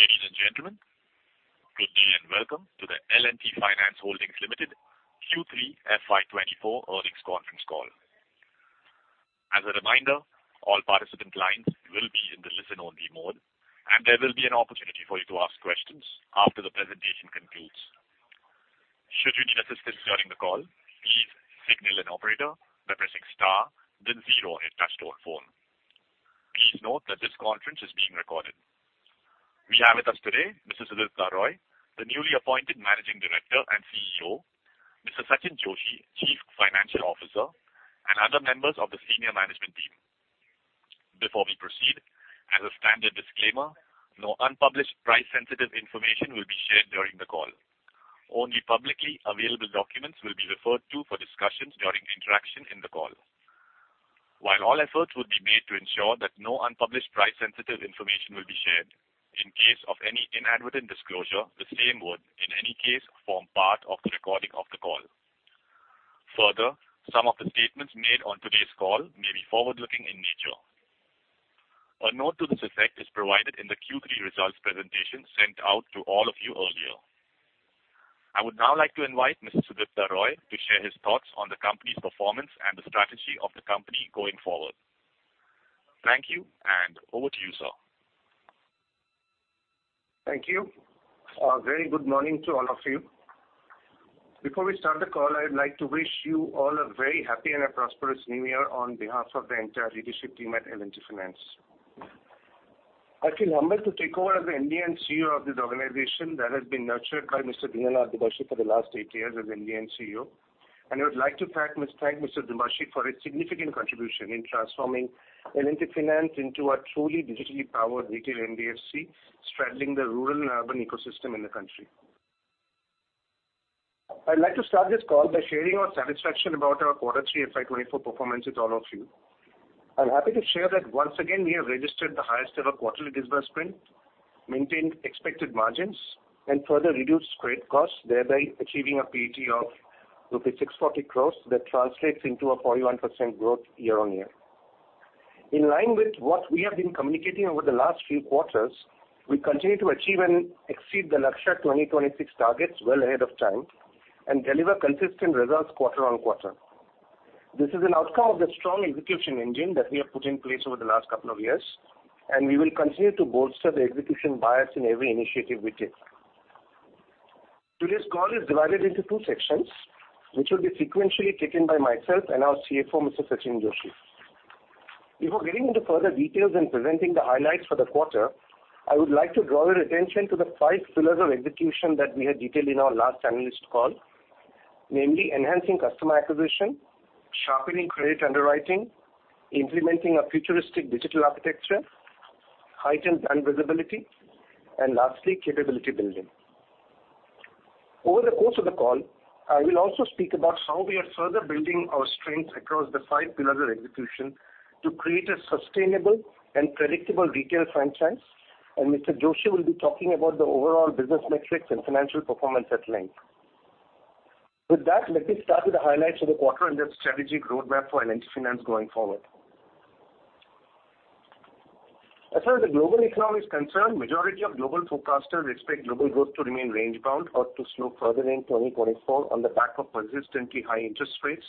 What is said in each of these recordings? Ladies and gentlemen, good day, and welcome to the L&T Finance Holdings Limited Q3 FY24 earnings conference call. As a reminder, all participant lines will be in the listen-only mode, and there will be an opportunity for you to ask questions after the presentation concludes. Should you need assistance during the call, please signal an operator by pressing star then zero on your touchtone phone. Please note that this conference is being recorded. We have with us today, Mr. Sudipta Roy, the newly appointed Managing Director and CEO, Mr. Sachinn Joshi, Chief Financial Officer, and other members of the senior management team. Before we proceed, as a standard disclaimer, no unpublished price-sensitive information will be shared during the call. Only publicly available documents will be referred to for discussions during interaction in the call. While all efforts will be made to ensure that no unpublished price-sensitive information will be shared, in case of any inadvertent disclosure, the same would, in any case, form part of the recording of the call. Further, some of the statements made on today's call may be forward-looking in nature. A note to this effect is provided in the Q3 results presentation sent out to all of you earlier. I would now like to invite Mr. Sudipta Roy to share his thoughts on the company's performance and the strategy of the company going forward. Thank you, and over to you, sir. Thank you. Very good morning to all of you. Before we start the call, I'd like to wish you all a very happy and a prosperous New Year on behalf of the entire leadership team at L&T Finance. I feel humbled to take over as the MD and CEO of this organization that has been nurtured by Mr. Dinanath Dubhashi for the last eight years as MD and CEO, and I would like to thank, thank Mr. Dubhashi for his significant contribution in transforming L&T Finance into a truly digitally powered retail NBFC, straddling the rural and urban ecosystem in the country. I'd like to start this call by sharing our satisfaction about our quarter three FY 2024 performance with all of you. I'm happy to share that once again, we have registered the highest ever quarterly disbursement, maintained expected margins, and further reduced credit costs, thereby achieving a PAT of rupees 640 crore. That translates into a 41% growth year-on-year. In line with what we have been communicating over the last few quarters, we continue to achieve and exceed the Lakshya 2026 targets well ahead of time and deliver consistent results quarter-on-quarter. This is an outcome of the strong execution engine that we have put in place over the last couple of years, and we will continue to bolster the execution bias in every initiative we take. Today's call is divided into two sections, which will be sequentially taken by myself and our CFO, Mr. Sachinn Joshi. Before getting into further details and presenting the highlights for the quarter, I would like to draw your attention to the 5-Pillars of execution that we had detailed in our last analyst call, namely, enhancing customer acquisition, sharpening credit underwriting, implementing a futuristic digital architecture, heightened brand visibility, and lastly, capability building. Over the course of the call, I will also speak about how we are further building our strengths across the 5-Pillars of execution to create a sustainable and predictable retail franchise, and Mr. Joshi will be talking about the overall business metrics and financial performance at length. With that, let me start with the highlights of the quarter and the strategic roadmap for L&T Finance going forward. As far as the global economy is concerned, majority of global forecasters expect global growth to remain range-bound or to slow further in 2024 on the back of persistently high interest rates,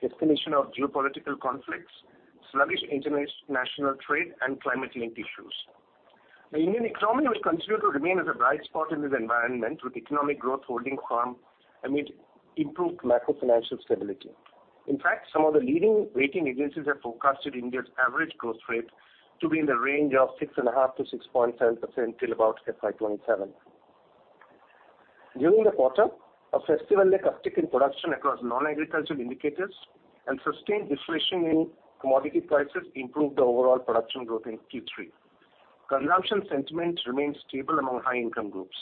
escalation of geopolitical conflicts, sluggish international trade, and climate-linked issues. The Indian economy will continue to remain as a bright spot in this environment, with economic growth holding firm amid improved macro-financial stability. In fact, some of the leading rating agencies have forecasted India's average growth rate to be in the range of 6.5%-6.7% till about FY 2027. During the quarter, a festival-led uptick in production across non-agricultural indicators and sustained deflation in commodity prices improved the overall production growth in Q3. Consumption sentiment remains stable among high-income groups.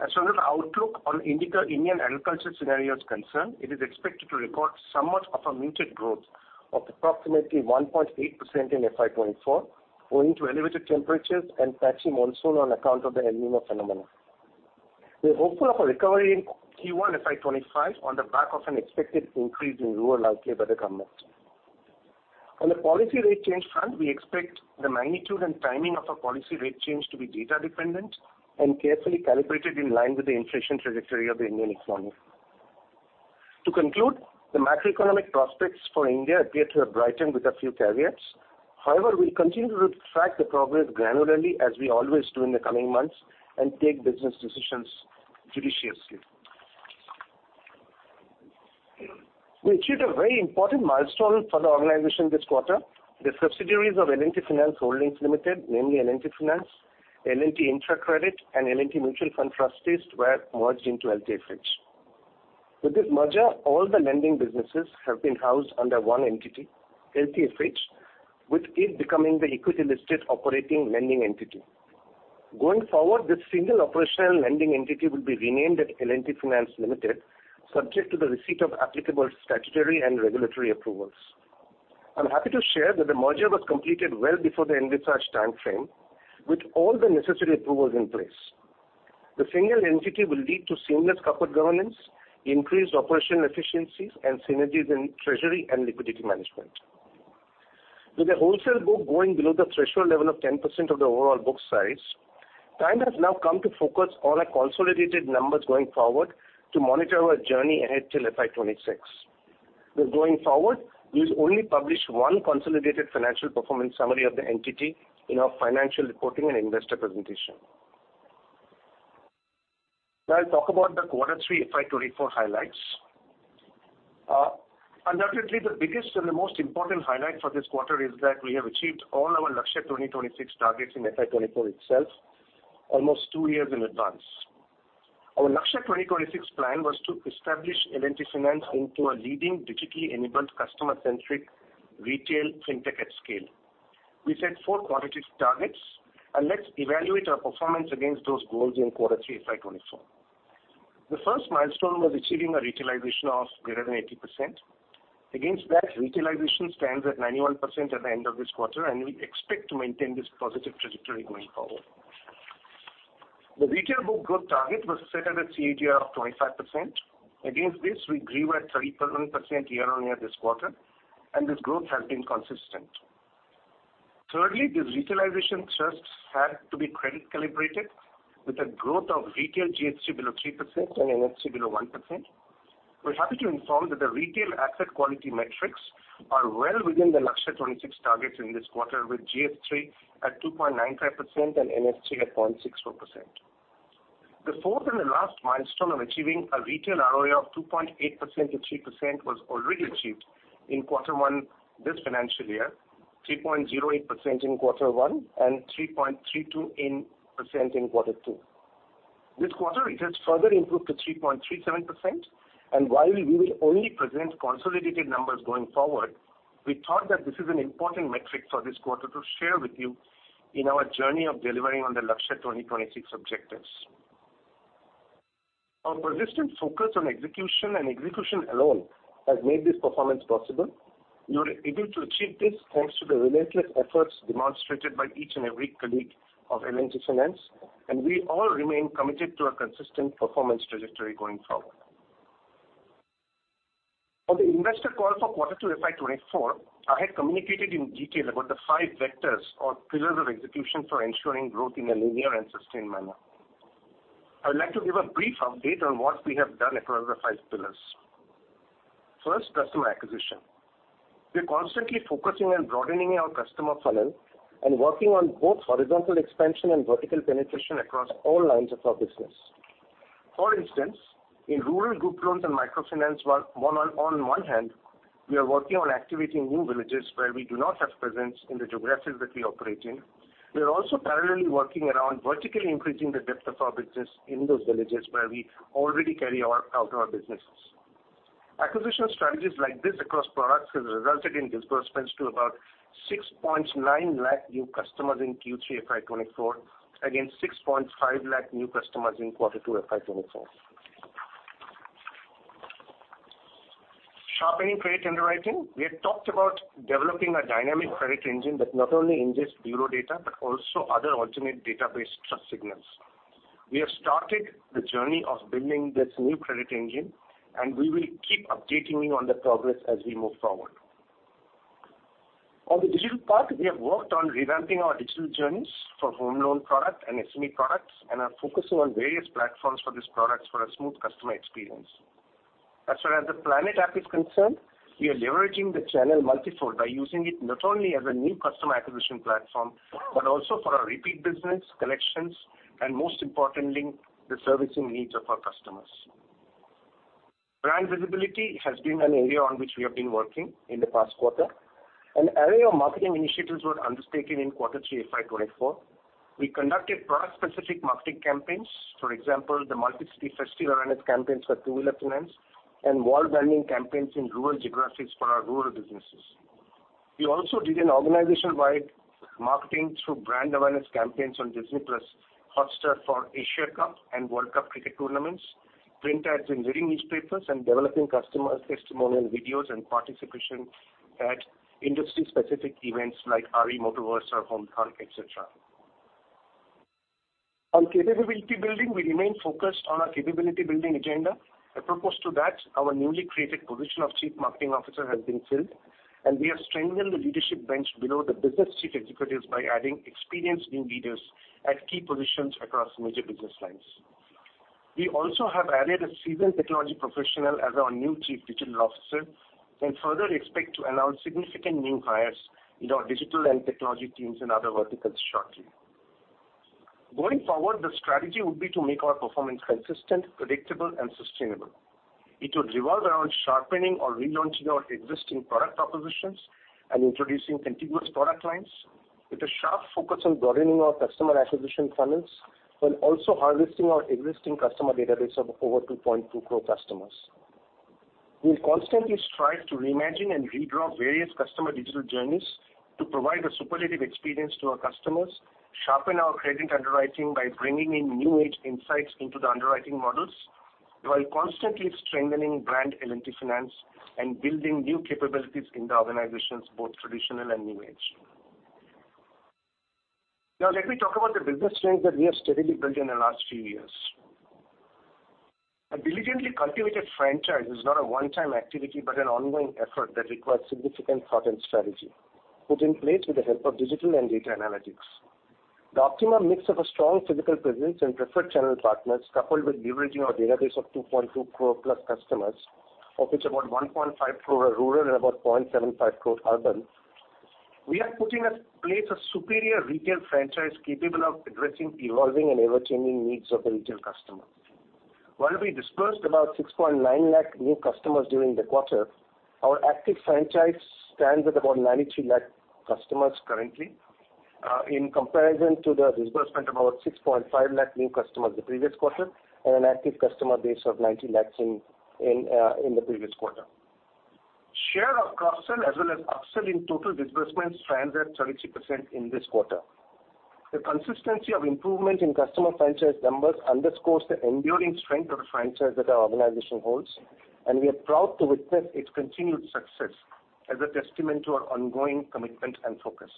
As far as the outlook on Indian agriculture scenario is concerned, it is expected to record somewhat of a muted growth of approximately 1.8% in FY 2024, owing to elevated temperatures and patchy monsoon on account of the El Niño phenomena. We are hopeful of a recovery in Q1 FY 2025 on the back of an expected increase in rural outlay by the government. On the policy rate change front, we expect the magnitude and timing of a policy rate change to be data dependent and carefully calibrated in line with the inflation trajectory of the Indian economy. To conclude, the macroeconomic prospects for India appear to have brightened with a few caveats. However, we'll continue to track the progress granularly, as we always do in the coming months, and take business decisions judiciously. We achieved a very important milestone for the organization this quarter. The subsidiaries of L&T Finance Holdings Limited, namely L&T Finance, L&T Infra Credit, and L&T Mutual Fund Trustees, were merged into LTFH. With this merger, all the lending businesses have been housed under one entity, LTFH, with it becoming the equity-listed operating lending entity. Going forward, this single operational lending entity will be renamed as L&T Finance Limited, subject to the receipt of applicable statutory and regulatory approvals. I'm happy to share that the merger was completed well before the envisaged timeframe, with all the necessary approvals in place. The single entity will lead to seamless corporate governance, increased operational efficiencies, and synergies in treasury and liquidity management. With the wholesale book going below the threshold level of 10% of the overall book size, time has now come to focus on our consolidated numbers going forward to monitor our journey ahead till FY 2026. Going forward, we will only publish one consolidated financial performance summary of the entity in our financial reporting and investor presentation. Now I'll talk about the quarter three, FY 2024 highlights. Undoubtedly, the biggest and the most important highlight for this quarter is that we have achieved all our Lakshya 2026 targets in FY 2024 itself, almost two years in advance. Our Lakshya 2026 plan was to establish L&T Finance into a leading, digitally enabled, customer-centric retail fintech at scale. We set four qualitative targets, and let's evaluate our performance against those goals in quarter three, FY 2024. The first milestone was achieving a retailization of greater than 80%. Against that, retailization stands at 91% at the end of this quarter, and we expect to maintain this positive trajectory going forward. The retail book growth target was set at a CAGR of 25%. Against this, we grew at 31% year-on-year this quarter, and this growth has been consistent. Thirdly, the retailization thrust had to be credit calibrated, with a growth of retail GS3 below 3% and NS3 below 1%. We're happy to inform that the retail asset quality metrics are well within the Lakshya 2026 targets in this quarter, with GS3 at 2.95% and NS3 at 0.64%. The fourth and the last milestone of achieving a retail ROE of 2.8%-3% was already achieved in quarter one this financial year, 3.08% in quarter one and 3.32% in quarter two. This quarter, it has further improved to 3.37%, and while we will only present consolidated numbers going forward, we thought that this is an important metric for this quarter to share with you in our journey of delivering on the Lakshya 2026 objectives. Our persistent focus on execution, and execution alone, has made this performance possible. We were able to achieve this thanks to the relentless efforts demonstrated by each and every colleague of L&T Finance, and we all remain committed to a consistent performance trajectory going forward. On the investor call for quarter two, FY 2024, I had communicated in detail about the five vectors or pillars of execution for ensuring growth in a linear and sustained manner. I would like to give a brief update on what we have done across the 5-Pillars. First, Customer Acquisition. We are constantly focusing on broadening our customer funnel and working on both horizontal expansion and vertical penetration across all lines of our business. For instance, in Rural Group Loans and Microfinance, on one hand, we are working on activating new villages where we do not have presence in the geographies that we operate in. We are also parallelly working around vertically increasing the depth of our business in those villages where we already carry out our businesses. Acquisition strategies like this across products has resulted in disbursements to about 6.9 lakh new customers in Q3 FY 2024, against 6.5 lakh new customers in quarter two, FY 2024. Sharpening credit underwriting. We had talked about developing a dynamic credit engine that not only ingests bureau data, but also other alternate database trust signals. We have started the journey of building this new credit engine, and we will keep updating you on the progress as we move forward. On the digital part, we have worked on revamping our digital journeys for Home Loan product and SME products, and are focusing on various platforms for these products for a smooth customer experience. As far as the PLANET App is concerned, we are leveraging the channel multifold by using it not only as a new customer acquisition platform, but also for our repeat business, collections, and most importantly, the servicing needs of our customers. Brand visibility has been an area on which we have been working in the past quarter. An array of marketing initiatives were undertaken in quarter three, FY 2024. We conducted product-specific marketing campaigns, for example, the multi-city festival awareness campaigns for rural finance and wall branding campaigns in rural geographies for our Rural Businesses. We also did an organization-wide marketing through brand awareness campaigns on Disney+ Hotstar for Asia Cup and World Cup cricket tournaments, print ads in leading newspapers, and developing customer testimonial videos and participation at industry-specific events like RE Motoverse or Homethon, et cetera. On capability building, we remain focused on our capability building agenda. A purpose to that, our newly created position of Chief Marketing Officer has been filled, and we have strengthened the leadership bench below the business chief executives by adding experienced new leaders at key positions across major business lines. We also have added a seasoned technology professional as our new Chief Digital Officer, and further expect to announce significant new hires in our digital and technology teams and other verticals shortly. Going forward, the strategy would be to make our performance consistent, predictable and sustainable. It would revolve around sharpening or relaunching our existing product propositions and introducing contiguous product lines, with a sharp focus on broadening our customer acquisition funnels, while also harvesting our existing customer database of over 2.2 crore customers. We constantly strive to reimagine and redraw various customer digital journeys to provide a superlative experience to our customers, sharpen our credit underwriting by bringing in new age insights into the underwriting models, while constantly strengthening brand L&T Finance and building new capabilities in the organizations, both traditional and new age. Now let me talk about the business strength that we have steadily built in the last few years. A diligently cultivated franchise is not a one-time activity, but an ongoing effort that requires significant thought and strategy, put in place with the help of digital and data analytics. The optimum mix of a strong physical presence and preferred channel partners, coupled with leveraging our database of 2.2 crore plus customers, of which about 1.5 crore are rural and about 0.75 crore urban, we are putting in place a superior retail franchise capable of addressing evolving and ever-changing needs of the retail customer. While we disbursed about 6.9 lakh new customers during the quarter, our active franchise stands at about 93 lakh customers currently, in comparison to the disbursement of about 6.5 lakh new customers the previous quarter, and an active customer base of 90 lakhs in the previous quarter. Share of cross-sell as well as upsell in total disbursements stands at 36% in this quarter. The consistency of improvement in customer franchise numbers underscores the enduring strength of the franchise that our organization holds, and we are proud to witness its continued success as a testament to our ongoing commitment and focus.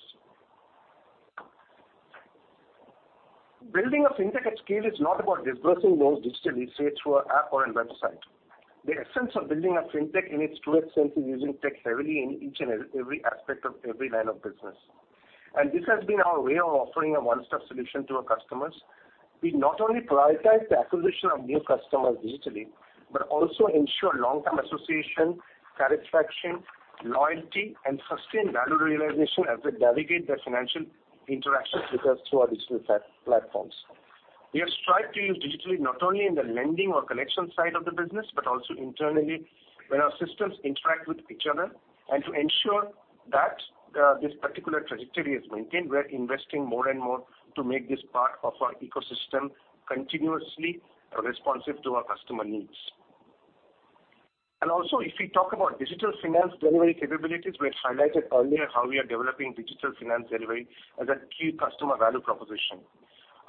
Building a fintech at scale is not about disbursing loans digitally, say, through an app or a website. The essence of building a fintech in its truest sense is using tech heavily in each and every aspect of every line of business. This has been our way of offering a one-stop solution to our customers. We not only prioritize the acquisition of new customers digitally, but also ensure long-term association, satisfaction, loyalty, and sustained value realization as they navigate their financial interactions with us through our digital platforms. We have strived to use digitally, not only in the lending or collection side of the business, but also internally, when our systems interact with each other. To ensure that this particular trajectory is maintained, we are investing more and more to make this part of our ecosystem continuously responsive to our customer needs. Also, if we talk about digital finance delivery capabilities, we had highlighted earlier how we are developing digital finance delivery as a key customer value proposition.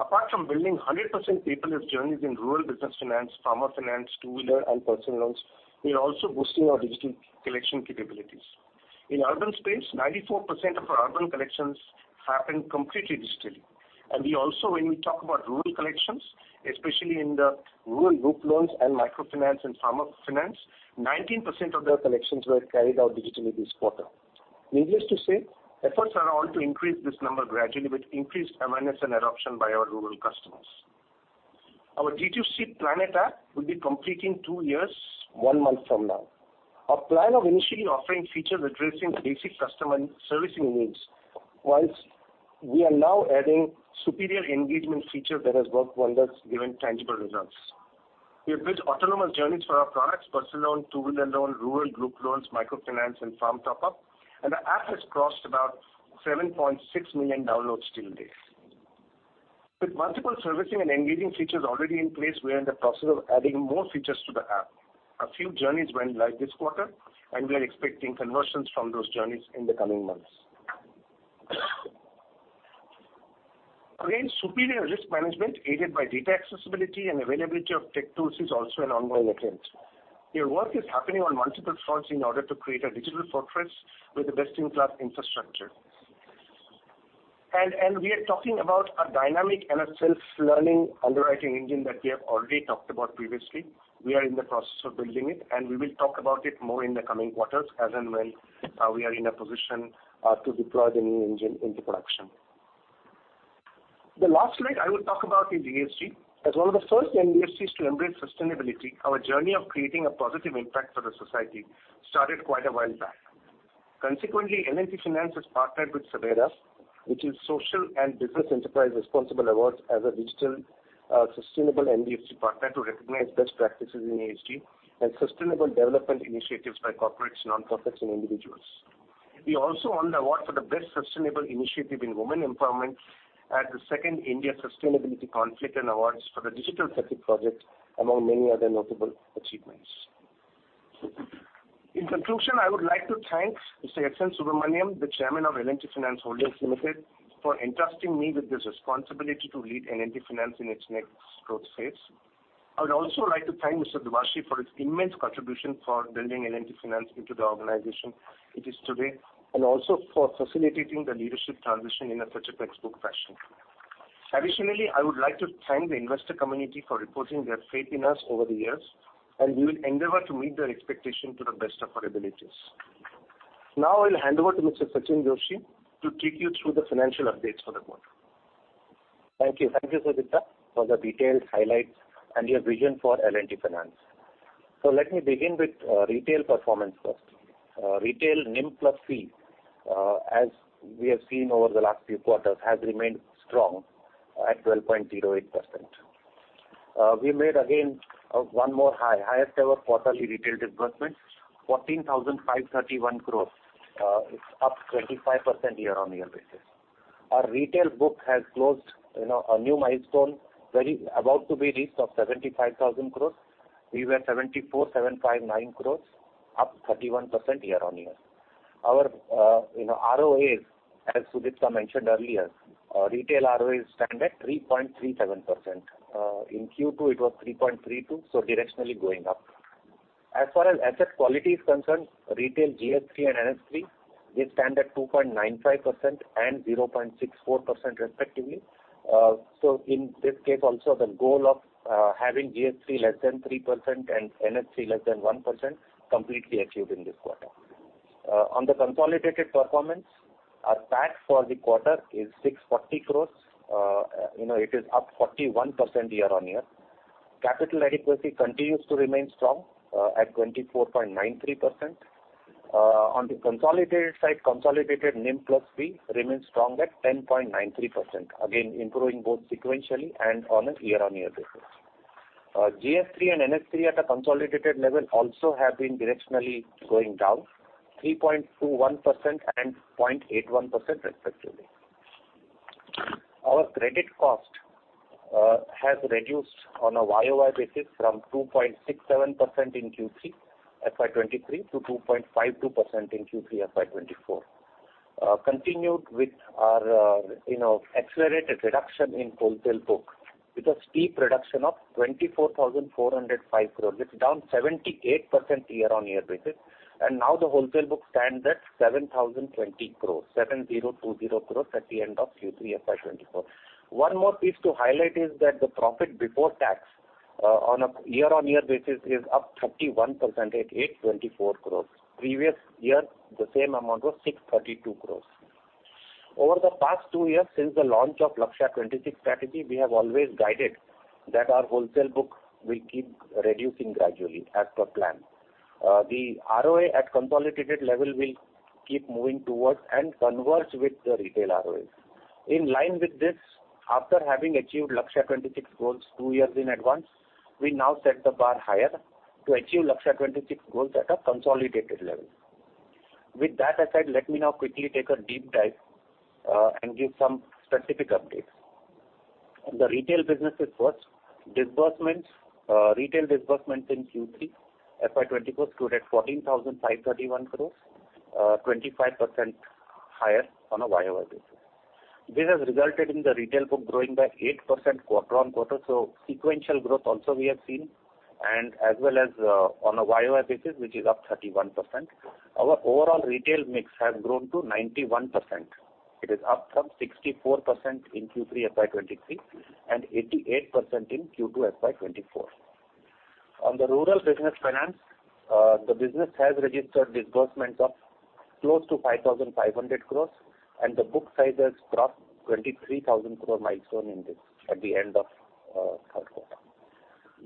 Apart from building 100% paperless journeys in Rural Business Finance, Farmer Finance, Two-Wheeler, and Personal Loans, we are also boosting our digital collection capabilities. In urban space, 94% of our urban collections happen completely digitally. We also, when we talk about rural collections, especially in the Rural Group Loans and Microfinance and Farmer Finance, 19% of their collections were carried out digitally this quarter. Needless to say, efforts are on to increase this number gradually, with increased awareness and adoption by our rural customers. Our D2C PLANET App will be completing two years, one month from now. Our plan of initially offering features addressing basic customer servicing needs, while we are now adding superior engagement feature that has worked wonders, given tangible results. We have built autonomous journeys for our products, Personal Loan, Two-Wheeler loan, Rural Group Loans, Microfinance, and Farm top-up, and the app has crossed about 7.6 million downloads till date. With multiple servicing and engaging features already in place, we are in the process of adding more features to the app. A few journeys went live this quarter, and we are expecting conversions from those journeys in the coming months. Again, superior risk management, aided by data accessibility and availability of tech tools, is also an ongoing attempt. Your work is happening on multiple fronts in order to create a digital fortress with a best-in-class infrastructure. We are talking about a dynamic and a self-learning underwriting engine that we have already talked about previously. We are in the process of building it, and we will talk about it more in the coming quarters, as and when we are in a position to deploy the new engine into production. The last point I will talk about is ESG. As one of the first NBFCs to embrace sustainability, our journey of creating a positive impact for the society started quite a while back. Consequently, L&T Finance has partnered with SABERA, which is Social and Business Enterprise Responsible Awards, as a digital sustainable NBFC partner to recognize best practices in ESG and sustainable development initiatives by corporates, nonprofits, and individuals. We also won the award for the Best Sustainable Initiative in Women Empowerment at the second India Sustainability Conference and Awards for the digital tech project, among many other notable achievements. In conclusion, I would like to thank Mr. S. N. Subrahmanyan, the Chairman of L&T Finance Holdings Limited, for entrusting me with this responsibility to lead L&T Finance in its next growth phase. I would also like to thank Mr. Dinanath Dubhashi for his immense contribution for building L&T Finance into the organization it is today, and also for facilitating the leadership transition in such a textbook fashion. Additionally, I would like to thank the investor community for reposing their faith in us over the years, and we will endeavor to meet their expectation to the best of our abilities. Now I will hand over to Mr. Sachinn Joshi to take you through the financial updates for the quarter. Thank you. Thank you, Sudipta, for the detailed highlights and your vision for L&T Finance. So let me begin with, retail performance first. Retail NIM plus fee, as we have seen over the last few quarters, has remained strong at 12.08%. We made again, one more high, highest ever quarterly retail disbursement, 14,531 crore, up 25% year-over-year. Our retail book has closed, you know, a new milestone, very about to be reached of 75,000 crore. We were 74,759 crore, up 31% year-on-year. Our, you know, ROAs, as Sudipta mentioned earlier, retail ROAs stand at 3.37%. In Q2, it was 3.32, so directionally going up... As far as asset quality is concerned, retail GS3 and NS3, we stand at 2.95% and 0.64% respectively. So in this case also, the goal of having GS3 less than 3% and NS3 less than 1%, completely achieved in this quarter. On the consolidated performance, our tax for the quarter is 640 crore, you know, it is up 41% year-on-year. Capital adequacy continues to remain strong, at 24.93%. On the consolidated side, consolidated NIM plus fee remains strong at 10.93%, again, improving both sequentially and on a year-on-year basis. GS3 and NS3 at a consolidated level also have been directionally going down, 3.21% and 0.81% respectively. Our credit cost has reduced on a YoY basis from 2.67% in Q3, FY 2023 to 2.52% in Q3, FY 2024. Continued with our, you know, accelerated reduction in wholesale book with a steep reduction of 24,405 crore. It's down 78% year-on-year basis, and now the wholesale book stands at 7,020 crore, 7,020 crore at the end of Q3 FY 2024. One more piece to highlight is that the profit before tax on a year-on-year basis is up 31% at 824 crore. Previous year, the same amount was 632 crore. Over the past two years, since the launch of Lakshya 2026 strategy, we have always guided that our wholesale book will keep reducing gradually as per plan. The ROA at consolidated level will keep moving towards and converge with the retail ROA. In line with this, after having achieved Lakshya 2026 goals two years in advance, we now set the bar higher to achieve Lakshya 2026 goals at a consolidated level. With that aside, let me now quickly take a deep dive and give some specific updates. The Retail Businesses first. Disbursement, retail disbursements in Q3, FY 2024 stood at 14,531 crore, 25% higher on a YoY basis. This has resulted in the retail book growing by 8% quarter-on-quarter, so sequential growth also we have seen, and as well as on a YoY basis, which is up 31%. Our overall retail mix has grown to 91%. It is up from 64% in Q3 FY 2023, and 88% in Q2 FY 2024. On the Rural Business Finance, the business has registered disbursements of close to 5,500 crore, and the book size has crossed 23,000 crore milestone in this, at the end of the third quarter.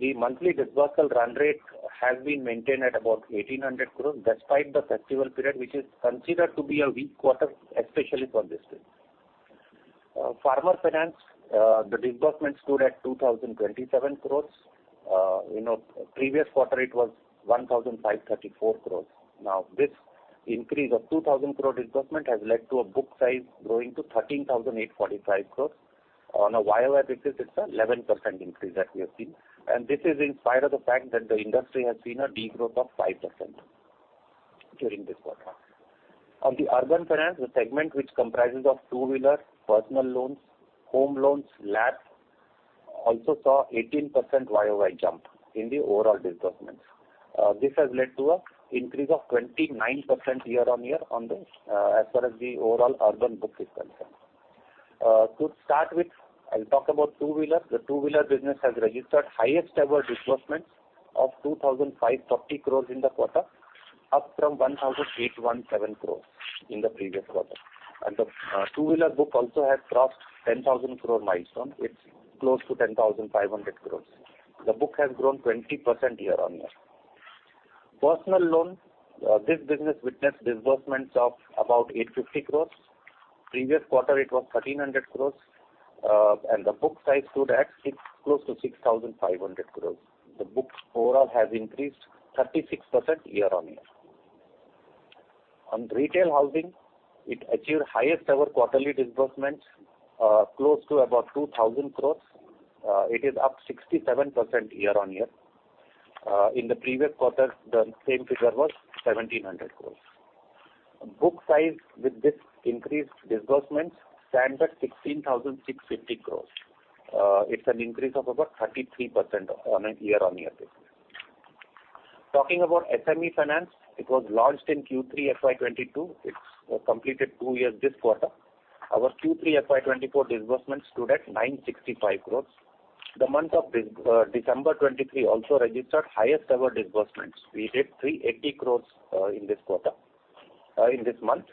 The monthly disbursements run rate has been maintained at about 1,800 crore, despite the festival period, which is considered to be a weak quarter, especially for this period. Farmer Finance, the disbursement stood at 2,027 crore. You know, previous quarter it was 1,534 crore. Now, this increase of 2,000 crore disbursement has led to a book size growing to 13,845 crore. On a YoY basis, it's an 11% increase that we have seen, and this is in spite of the fact that the industry has seen a degrowth of 5% during this quarter. On the urban finance, the segment which comprises of Two-Wheeler, Personal Loans, Home Loans, LAPs, also saw 18% YoY jump in the overall disbursements. This has led to a increase of 29% year-on-year on the, as far as the overall urban book is concerned. To start with, I'll talk about Two-Wheeler. The Two-Wheeler business has registered highest ever disbursements of 2,530 crore in the quarter, up from 1,817 crore in the previous quarter. The Two-Wheeler book also has crossed 10,000 crore milestone. It's close to 10,500 crore. The book has grown 20% year-on-year. Personal Loan this business witnessed disbursements of about 850 crore. Previous quarter, it was 1,300 crore, and the book size stood at close to 6,500 crore. The book overall has increased 36% year-on-year. On Retail Housing, it achieved highest ever quarterly disbursements close to about 2,000 crore. It is up 67% year-on-year. In the previous quarter, the same figure was 1,700 crore. Book size with this increased disbursements stands at 16,650 crore. It's an increase of about 33% on a year-on-year basis. Talking about SME Finance, it was launched in Q3 FY 2022. It's completed two years this quarter. Our Q3 FY 2024 disbursements stood at 965 crore. The month of December 2023 also registered highest ever disbursements. We did 380 crore in this quarter in this month.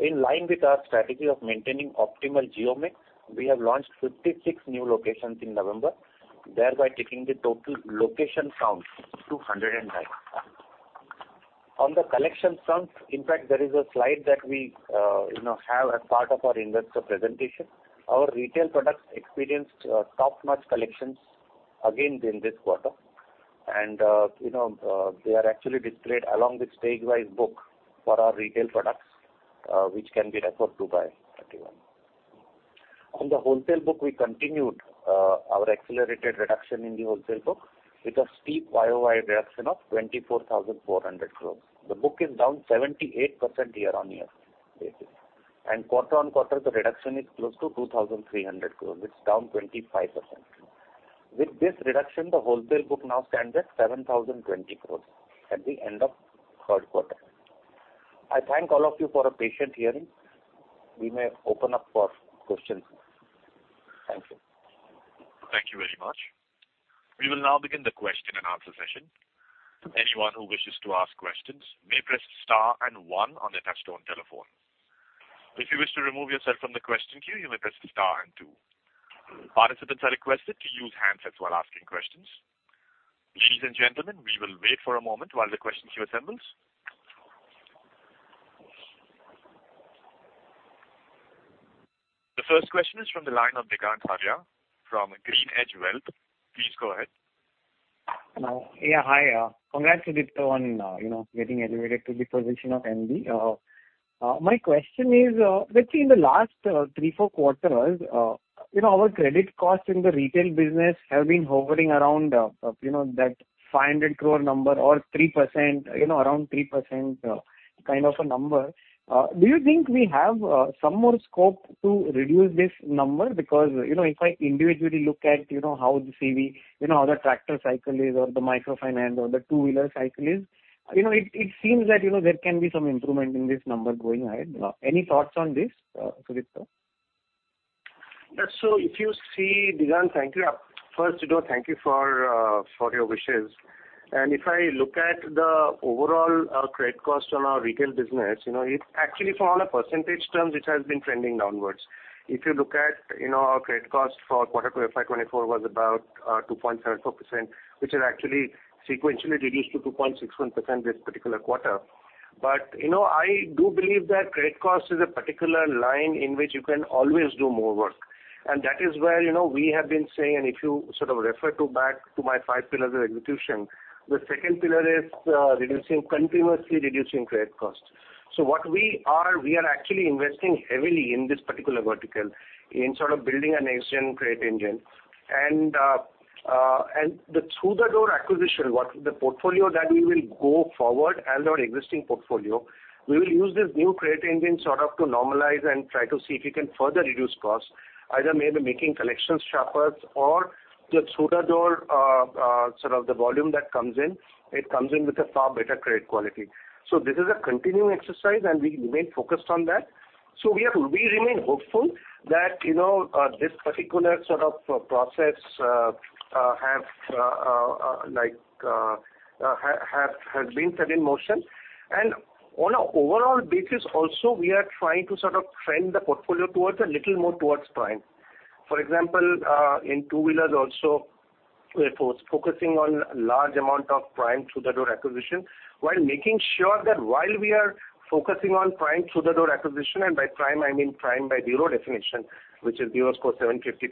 In line with our strategy of maintaining optimal geo mix, we have launched 56 new locations in November, thereby taking the total location count to 109. On the collection front, in fact, there is a slide that we, you know, have as part of our investor presentation. Our retail products experienced top-notch collections again in this quarter. You know, they are actually displayed along with stage-wise book for our retail products, which can be referred to by everyone. On the wholesale book, we continued our accelerated reduction in the wholesale book with a steep YoY reduction of 24,400 crore. The book is down 78% year-on-year basis and quarter-on-quarter, the reduction is close to 2,300 crore, it's down 25%. With this reduction, the wholesale book now stands at 7,020 crore at the end of third quarter. I thank all of you for a patient hearing. We may open up for questions. Thank you. Thank you very much. We will now begin the question and answer session. Anyone who wishes to ask questions may press star and one on their touchtone telephone. If you wish to remove yourself from the question queue, you may press star and two. Participants are requested to use handsets while asking questions. Ladies and gentlemen, we will wait for a moment while the question queue assembles. The first question is from the line of Digant Haria, from GreenEdge Wealth. Please go ahead. Yeah, hi. Congrats, Sudipta, on, you know, getting elevated to the position of MD. My question is, let's see, in the last three to four quarters, you know, our credit costs in the Retail Business have been hovering around, you know, that 500 crore number or 3%, you know, around 3%, kind of a number. Do you think we have some more scope to reduce this number? Because, you know, if I individually look at, you know, how the CV, you know, how the tractor cycle is or the Microfinance or the Two-Wheeler cycle is, you know, it seems that, you know, there can be some improvement in this number going ahead. Any thoughts on this, Sudipta? Yeah. So if you see, Digant. Thank you. First, you know, thank you for your wishes. And if I look at the overall credit cost on our Retail Business, you know, it's actually from on a percentage terms, it has been trending downwards. If you look at, you know, our credit cost for quarter to FY 2024 was about 2.74%, which is actually sequentially reduced to 2.61% this particular quarter. But, you know, I do believe that credit cost is a particular line in which you can always do more work, and that is where, you know, we have been saying, and if you sort of refer to back to my 5-Pillars of execution, the second pillar is reducing, continuously reducing credit costs. So we are actually investing heavily in this particular vertical, in sort of building a next-gen credit engine. And the through-the-door acquisition, what the portfolio that we will go forward and our existing portfolio, we will use this new credit engine sort of to normalize and try to see if we can further reduce costs, either maybe making collections sharper or the through-the-door sort of the volume that comes in, it comes in with a far better credit quality. So this is a continuing exercise, and we remain focused on that. So we remain hopeful that, you know, this particular sort of process has been set in motion. And on an overall basis also, we are trying to sort of trend the portfolio towards a little more towards prime. For example, in Two-Wheelers also, we're focusing on large amount of prime through-the-door acquisition, while making sure that while we are focusing on prime through-the-door acquisition, and by prime, I mean prime by bureau definition, which is bureau score 750+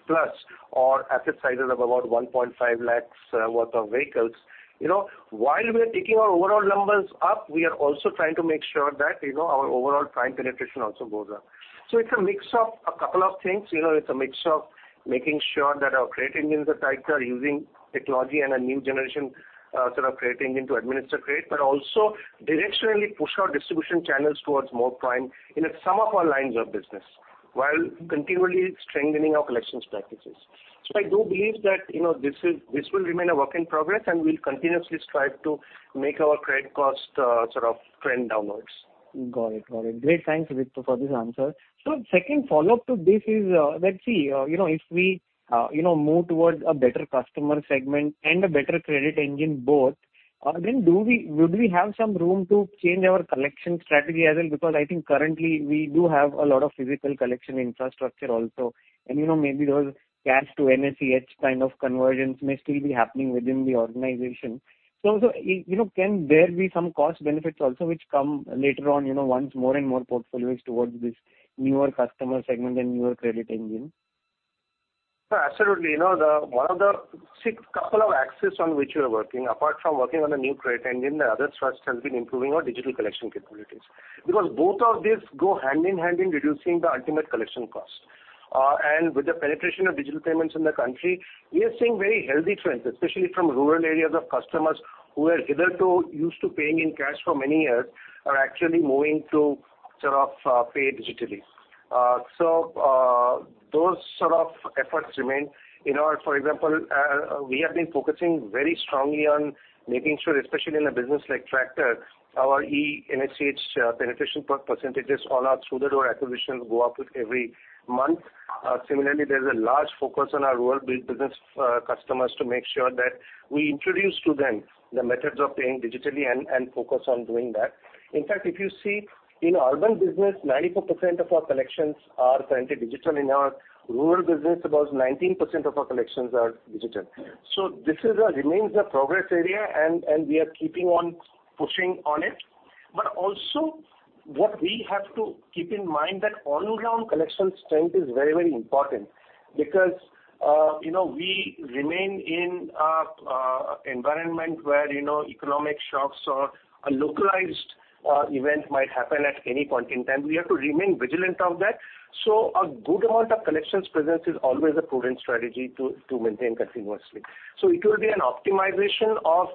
or asset sizes of about 1.5 lakhs worth of vehicles. You know, while we are taking our overall numbers up, we are also trying to make sure that, you know, our overall prime penetration also goes up. So it's a mix of a couple of things. You know, it's a mix of making sure that our credit engines are tighter, using technology and a new generation, sort of credit engine to administer credit, but also directionally push our distribution channels towards more prime in some of our lines of business, while continually strengthening our collections practices. I do believe that, you know, this is - this will remain a work in progress, and we'll continuously strive to make our credit cost sort of trend downwards. Got it. Got it. Great! Thanks, Sudipta, for this answer. So second follow-up to this is, let's see, you know, if we, you know, move towards a better customer segment and a better credit engine both, then do we, would we have some room to change our collection strategy as well? Because I think currently we do have a lot of physical collection infrastructure also, and, you know, maybe those cash to eNACH kind of conversions may still be happening within the organization. So, you know, can there be some cost benefits also, which come later on, you know, once more and more portfolio is towards this newer customer segment and newer credit engine? Absolutely. You know, the one of the six couple of axes on which we are working, apart from working on a new credit engine, the other thrust has been improving our digital collection capabilities. Because both of these go hand in hand in reducing the ultimate collection cost. And with the penetration of digital payments in the country, we are seeing very healthy trends, especially from rural areas of customers who were hitherto used to paying in cash for many years, are actually moving to sort of pay digitally. So, those sort of efforts remain. You know, for example, we have been focusing very strongly on making sure, especially in a business like tractor, our eNACH penetration percentages on our through-the-door acquisitions go up with every month. Similarly, there's a large focus on our Rural Business customers to make sure that we introduce to them the methods of paying digitally and focus on doing that. In fact, if you see, in Urban Business, 94% of our collections are currently digital. In our Rural Business, about 19% of our collections are digital. So this remains a progress area, and we are keeping on pushing on it. But also, what we have to keep in mind that on-ground collection strength is very, very important because, you know, we remain in a environment where, you know, economic shocks or a localized event might happen at any point in time. We have to remain vigilant of that. So a good amount of collections presence is always a prudent strategy to maintain continuously. So it will be an optimization of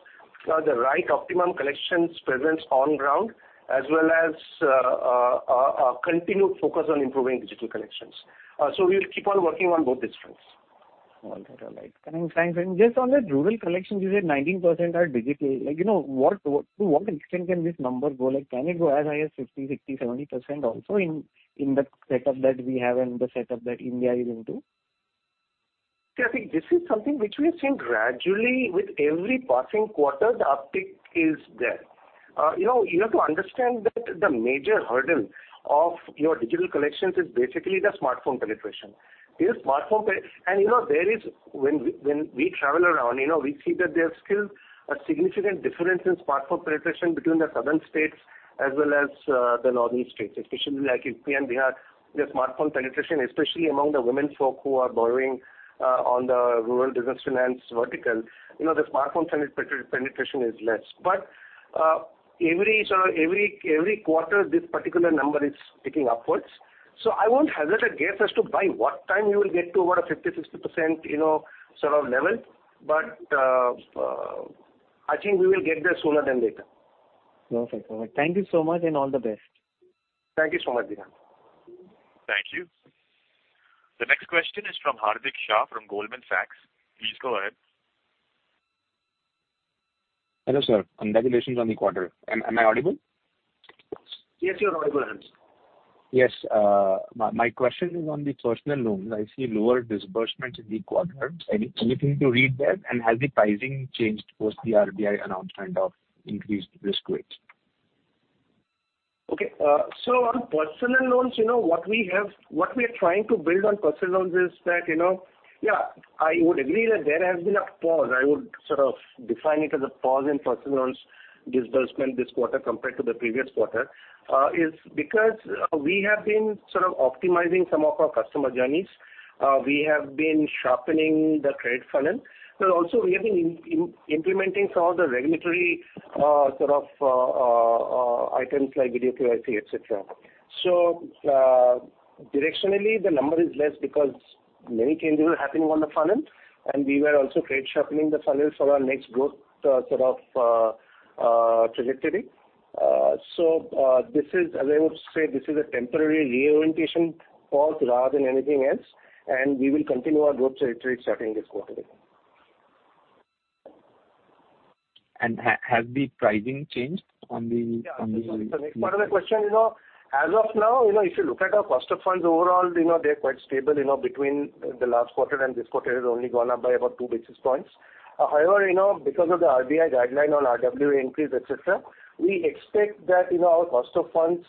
the right optimum collections presence on ground, as well as a continued focus on improving digital collections. So we will keep on working on both these fronts. All right, all right. Just on the rural collections, you said 19% are digital. Like, you know, what to what extent can this number go? Like, can it go as high as 50, 60, 70% also in the setup that we have and the setup that India is into? See, I think this is something which we have seen gradually with every passing quarter, the uptick is there. You know, you have to understand that the major hurdle of your digital collections is basically the smartphone penetration. Because smartphone penetration and, you know, there is. When we travel around, you know, we see that there's still a significant difference in smartphone penetration between the southern states as well as the northeastern states, especially like UP and Bihar, the smartphone penetration, especially among the women folk who are borrowing on the Rural Business Finance vertical, you know, the smartphone penetration is less. But every, sort of, every quarter, this particular number is ticking upwards. So I won't hazard a guess as to by what time you will get to about a 50%-60%, you know, sort of level. But, I think we will get there sooner than later. Perfect. All right. Thank you so much, and all the best. Thank you so much, Digant. Thank you. The next question is from Hardik Shah from Goldman Sachs. Please go ahead. Hello, sir, and congratulations on the quarter. Am I audible? Yes, you're audible. Yes. My question is on the Personal Loans. I see lower disbursements in the quarter. Anything to read there? And has the pricing changed post the RBI announcement of increased risk weight? Okay. So on Personal Loans, you know, what we have—what we are trying to build on Personal Loans is that, you know. Yeah, I would agree that there has been a pause. I would sort of define it as a pause in Personal Loans disbursement this quarter compared to the previous quarter, is because we have been sort of optimizing some of our customer journeys. We have been sharpening the credit funnel, but also we have been implementing some of the regulatory, sort of, items like Video KYC, et cetera. So, directionally, the number is less because many changes were happening on the funnel, and we were also great sharpening the funnel for our next growth, sort of, trajectory. So, this is, as I would say, this is a temporary reorientation pause rather than anything else, and we will continue our growth trajectory starting this quarter. Has the pricing changed on the— Yeah. The next part of the question, you know, as of now, you know, if you look at our cost of funds overall, you know, they are quite stable. You know, between the last quarter and this quarter, it has only gone up by about 2 basis points. However, you know, because of the RBI guideline on RWA increase, et cetera, we expect that, you know, our cost of funds,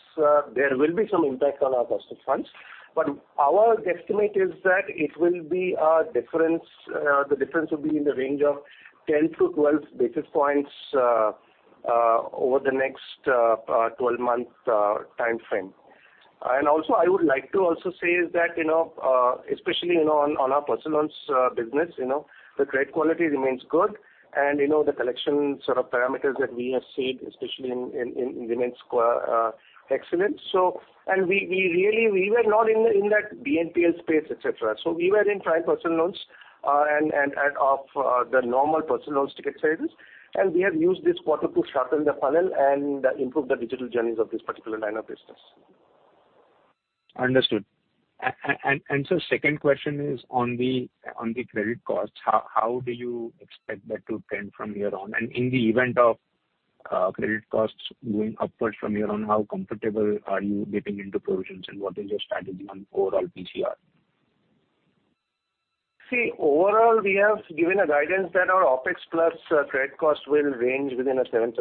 there will be some impact on our cost of funds. But our guesstimate is that it will be a difference, the difference will be in the range of 10-12 basis points, over the next, 12-month timeframe. And also, I would like to also say is that, you know, especially, you know, on our Personal Loans business, you know, the credit quality remains good, and, you know, the collection sort of parameters that we have seen, especially in remains excellent. And we really were not in that BNPL space, et cetera. So we were in prime Personal Loans, and of the normal Personal Loans ticket sizes, and we have used this quarter to sharpen the funnel and improve the digital journeys of this particular line of business. Understood. So second question is on the credit costs. How do you expect that to trend from here on? And in the event of credit costs going upwards from here on, how comfortable are you dipping into provisions, and what is your strategy on overall PCR? See, overall, we have given a guidance that our OpEx plus credit costs will range within a 7%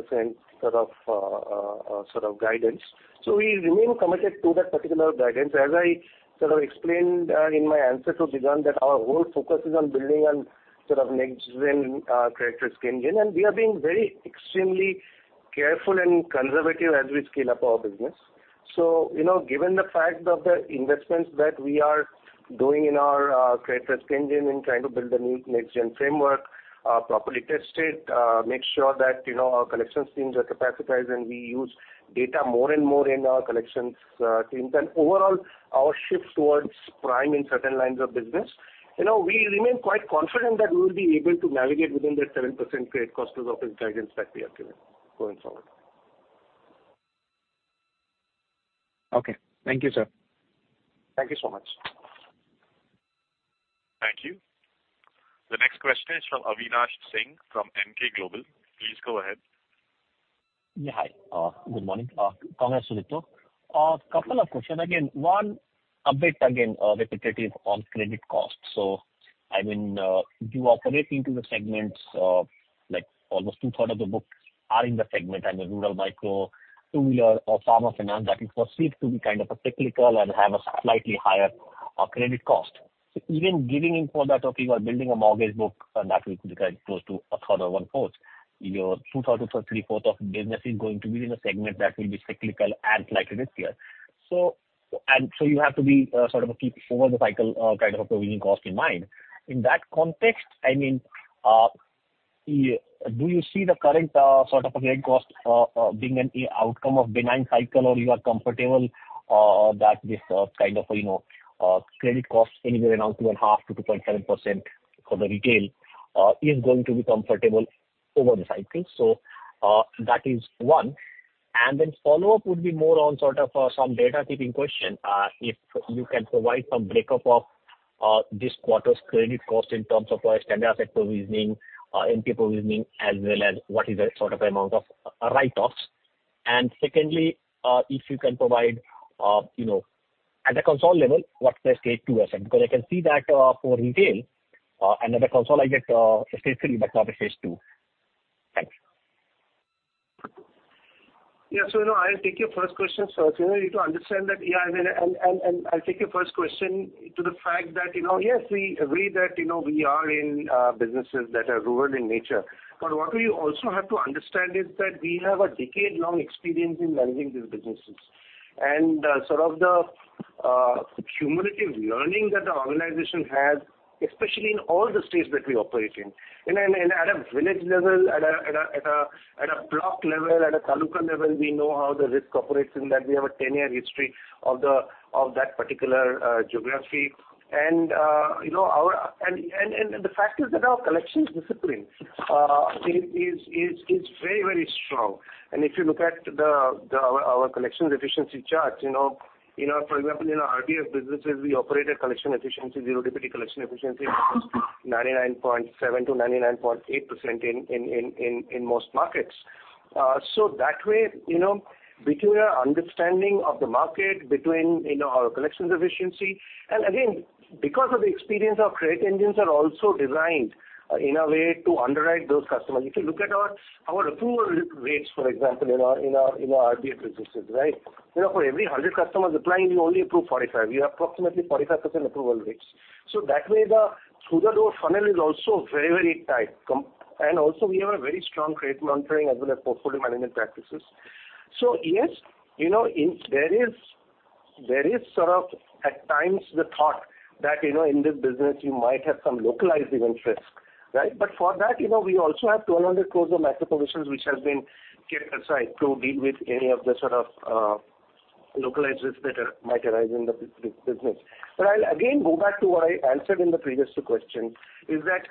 sort of, sort of guidance. So we remain committed to that particular guidance. As I sort of explained, in my answer to Digant, that our whole focus is on building a sort of next-gen credit risk engine, and we are being very extremely careful and conservative as we scale up our business. So, you know, given the fact of the investments that we are doing in our credit risk engine and trying to build a new next-gen framework, properly test it, make sure that, you know, our collections teams are capacitized, and we use data more and more in our collections teams, and overall, our shift towards prime in certain lines of business, you know, we remain quite confident that we will be able to navigate within that 7% credit cost of OpEx guidance that we have given going forward. Okay. Thank you, sir. Thank you so much. Thank you. The next question is from Avinash Singh, from Emkay Global. Please go ahead. Yeah, hi. Good morning. Congrats to you too. Couple of questions. Again, one, a bit again, repetitive on credit costs. So I mean, you operate into the segments of, like, almost 2/3 of the books are in the segment and the Rural, Micro, Two-Wheeler or Farmer Finance that is perceived to be kind of a cyclical and have a slightly higher, credit cost. So even giving in for that, okay, you are building a mortgage book and that will be like close to 1/3 or 1/4. Your 2/3 or 3/4 of business is going to be in a segment that will be cyclical and slightly riskier. So, and so you have to be, sort of a peak over the cycle, kind of a provisioning cost in mind. In that context, I mean, Yeah. Do you see the current, sort of a credit cost, being an outcome of benign cycle or you are comfortable, that this, kind of, you know, credit cost anywhere around 2.5%-2.7% for the retail, is going to be comfortable over the cycle? So, that is one. And then follow-up would be more on sort of, some data keeping question. If you can provide some breakup of, this quarter's credit cost in terms of, standard sector provisioning, NPA provisioning, as well as what is the sort of amount of, write-offs. And secondly, if you can provide, you know, at a console level, what's the Stage 2 asset? Because I can see that, for retail, another call, so I get a Stage 3, but not a Stage 2. Thanks. Yeah. So now I'll take your first question, sir. So you need to understand that, yeah, and I'll take your first question to the fact that, you know, yes, we agree that, you know, we are in businesses that are rural in nature. But what we also have to understand is that we have a decade-long experience in managing these businesses. And sort of the cumulative learning that the organization has, especially in all the states that we operate in. And at a village level, at a block level, at a taluka level, we know how the risk operates, in that we have a ten-year history of that particular geography. And you know, our... And the fact is that our collections discipline is very, very strong. If you look at our collections efficiency charts, you know, for example, in our RBF businesses, we operate a collection efficiency, zero-defective collection efficiency, 99.7%-99.8% in most markets. So that way, you know, between our understanding of the market, between our collections efficiency, and again, because of the experience, our credit engines are also designed in a way to underwrite those customers. If you look at our approval rates, for example, in our RBF businesses, right? You know, for every 100 customers applying, we only approve 45. We have approximately 45% approval rates. So that way, the through the door funnel is also very, very tight. And also we have a very strong credit monitoring as well as portfolio management practices. So yes, you know, there is sort of, at times, the thought that, you know, in this business you might have some localized event risk, right? But for that, you know, we also have 200 crore of macro provisions, which has been kept aside to deal with any of the sort of, localized risks that might arise in the business. But I'll again go back to what I answered in the previous two questions, is that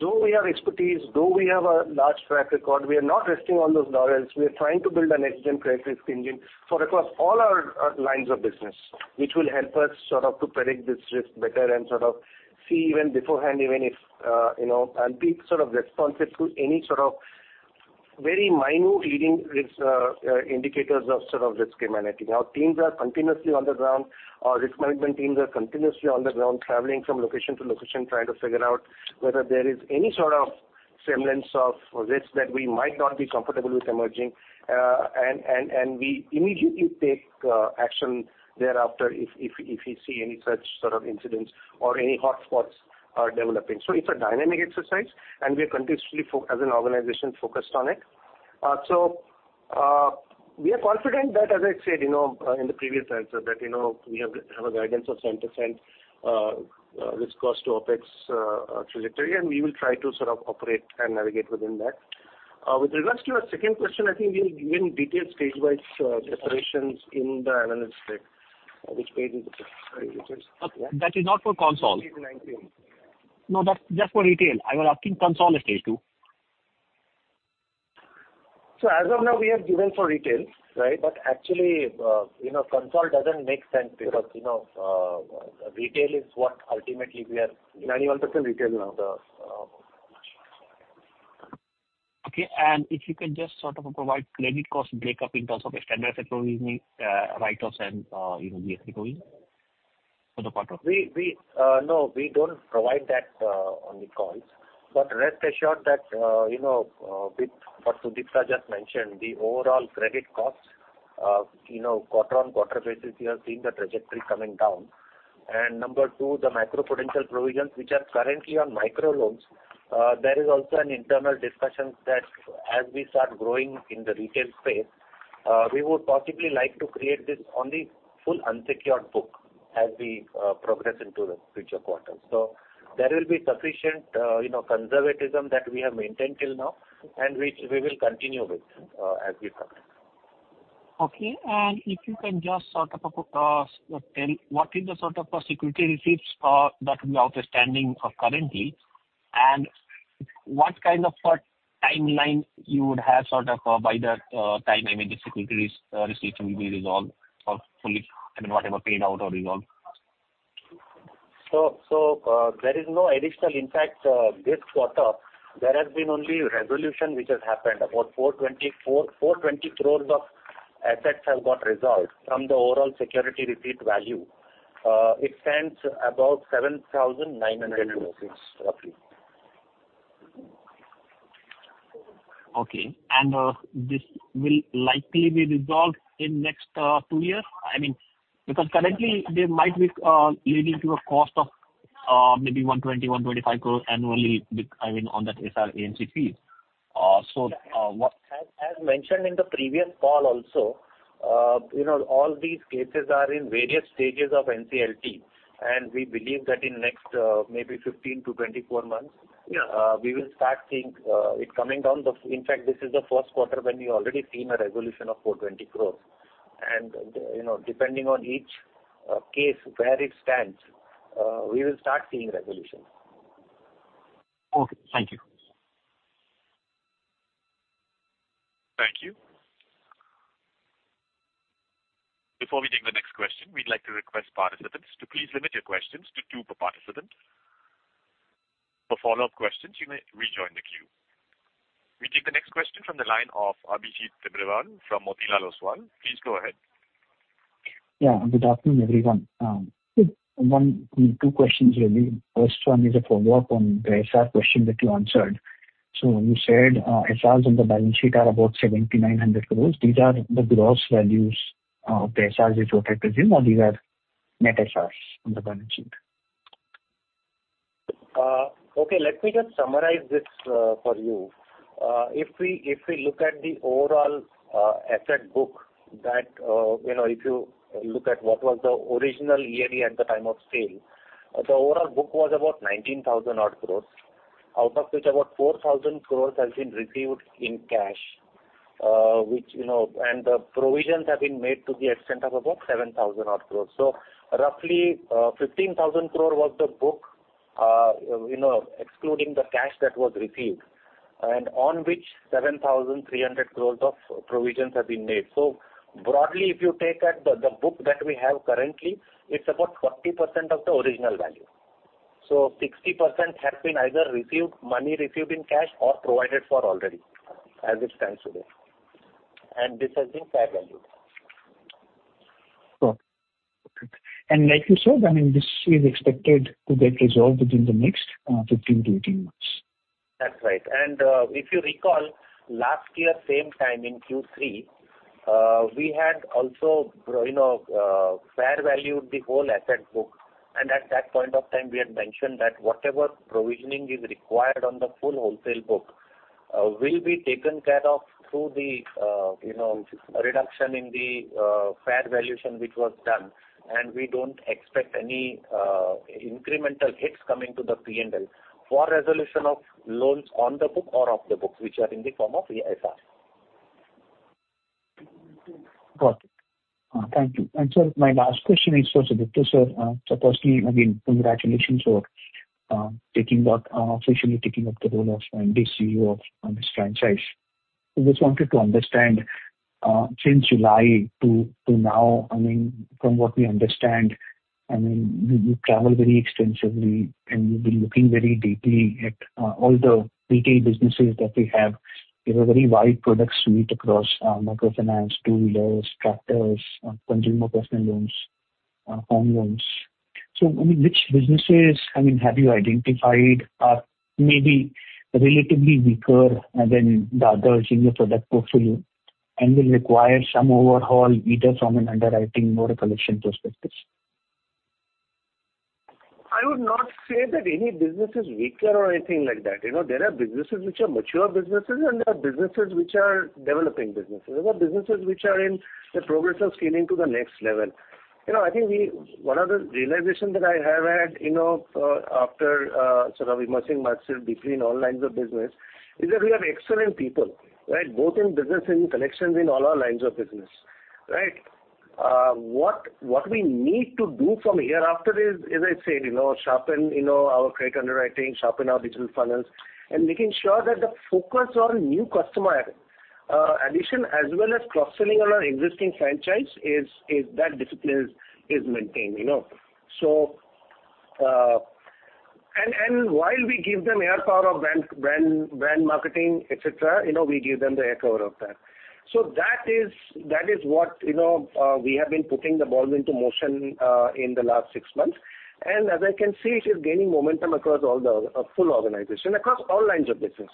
though we have expertise, though we have a large track record, we are not resting on those laurels. We are trying to build a next-gen credit risk engine for across all our lines of business, which will help us sort of to predict this risk better and sort of see even beforehand, even if, you know, and be sort of responsive to any sort of very minute leading risk indicators of sort of risk humanity. Our teams are continuously on the ground. Our risk management teams are continuously on the ground, traveling from location to location, trying to figure out whether there is any sort of semblance of risk that we might not be comfortable with emerging. We immediately take action thereafter if we see any such sort of incidents or any hotspots are developing. So it's a dynamic exercise, and we are continuously as an organization, focused on it. So, we are confident that, as I said, you know, in the previous answer, that, you know, we have a guidance of cent percent risk cost to OpEx trajectory, and we will try to sort of operate and navigate within that. With regards to your second question, I think we've given detailed stage-wise declarations in the analyst deck. Which page is it? Sorry, which is- That is not for console. It's 19. No, that's just for retail. I was asking console at Stage 2. So as of now, we have given for retail, right? But actually, you know, console doesn't make sense because, you know, retail is what ultimately we are- 91% retail now. The, uh... Okay. And if you can just sort of provide credit cost breakup in terms of a standard sector provisioning, write-offs and, you know, NPA for the quarter? No, we don't provide that on the calls. But rest assured that, you know, with what Sudipta just mentioned, the overall credit cost, you know, quarter-on-quarter basis, we have seen the trajectory coming down. And number two, the macro potential provisions, which are currently on micro loans, there is also an internal discussions that as we start growing in the retail space, we would possibly like to create this only full unsecured book as we progress into the future quarters. So there will be sufficient, you know, conservatism that we have maintained till now, and which we will continue with, as we progress. Okay. If you can just sort of tell what is the sort of Security Receipts that will be outstanding currently? And what kind of timeline you would have, sort of, by the time, I mean, the Security Receipts will be resolved or fully, I mean, whatever, paid out or resolved? There is no additional impact this quarter. There has been only resolution which has happened. About 420 crore of assets have got resolved from the overall security receipt value. It stands about 7,900 crore rupees, roughly. Okay. This will likely be resolved in next two years? I mean, because currently, they might be leading to a cost of maybe 120-125 crore annually. I mean, on that SRNCD fees. As mentioned in the previous call also, you know, all these cases are in various stages of NCLT, and we believe that in next, maybe 15-24 months- Yeah. We will start seeing it coming down. In fact, this is the first quarter when we already seen a resolution of 420 crore. And, you know, depending on each case, where it stands, we will start seeing resolution. Okay. Thank you. Thank you. Before we take the next question, we'd like to request participants to please limit your questions to two per participant. For follow-up questions, you may rejoin the queue. We take the next question from the line of Abhijit Tibrewal from Motilal Oswal. Please go ahead. Yeah, good afternoon, everyone. One, two questions really. First one is a follow-up on the SR question that you answered. So you said, SRs on the balance sheet are about 7,900 crore. These are the gross values of the SRs which are represented, or these are net SRs on the balance sheet? Okay, let me just summarize this, for you. If we, if we look at the overall, asset book that, you know, if you look at what was the original ERE at the time of sale, the overall book was about 19,000-odd crore, out of which about 4,000 crore has been received in cash, which, you know, and the provisions have been made to the extent of about 7,000-odd crore. So roughly, 15,000 crore was the book, you know, excluding the cash that was received, and on which 7,300 crore of provisions have been made. So broadly, if you take that, the, the book that we have currently, it's about 40% of the original value. 60% have been either received, money received in cash or provided for already, as it stands today. This has been fair valued. Okay. And like you said, I mean, this is expected to get resolved within the next 15-18 months? That's right. If you recall, last year, same time in Q3, we had also, you know, fair valued the whole asset book, and at that point of time, we had mentioned that whatever provisioning is required on the full wholesale book, will be taken care of through the, you know, reduction in the, fair valuation, which was done. We don't expect any, incremental hits coming to the P&L for resolution of loans on the book or off the books, which are in the form of SR. Got it. Thank you. And sir, my last question is for Sudipta, sir. So firstly, again, congratulations for taking up officially taking up the role of MD, CEO of this franchise. I just wanted to understand, since July to now, I mean, from what we understand, I mean, you travel very extensively, and you've been looking very deeply at all the Retail Businesses that we have. We have a very wide product suite across Microfinance, Two-Wheelers, Tractors, Consumer Personal Loans, Home Loans. So, I mean, which businesses, I mean, have you identified are maybe relatively weaker than the other senior product portfolio and will require some overhaul, either from an underwriting or a collection perspective? I would not say that any business is weaker or anything like that. You know, there are businesses which are mature businesses, and there are businesses which are developing businesses. There are businesses which are in the progress of scaling to the next level. You know, I think we... One of the realization that I have had, you know, after, sort of immersing myself deeply in all lines of business, is that we have excellent people, right? Both in business and connections in all our lines of business, right? What, what we need to do from hereafter is, as I said, you know, sharpen, you know, our credit underwriting, sharpen our digital funnels, and making sure that the focus on new customer acquisition, as well as cross-selling on our existing franchise, is, is that discipline is, is maintained, you know? So, and while we give them air power of brand, brand, brand marketing, et cetera, you know, we give them the air cover of that. So that is what, you know, we have been putting the ball into motion in the last six months. And as I can see, it is gaining momentum across all the full organization, across all lines of business.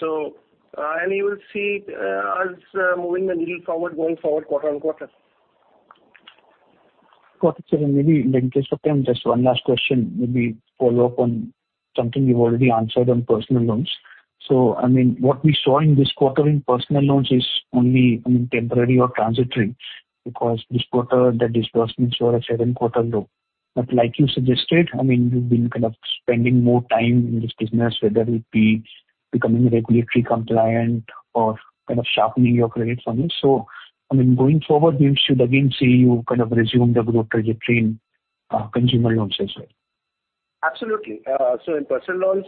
So, and you will see us moving the needle forward, going forward, quarter on quarter. Got it, sir. And maybe in the interest of time, just one last question, maybe follow up on something you've already answered on Personal Loans. So I mean, what we saw in this quarter in Personal Loans is only, I mean, temporary or transitory, because this quarter, the disbursements were a seven-quarter low. But like you suggested, I mean, you've been kind of spending more time in this business, whether it be becoming regulatory compliant or kind of sharpening your credit funding. So, I mean, going forward, we should again see you kind of resume the growth trajectory in consumer loans as well? Absolutely. So in Personal Loans,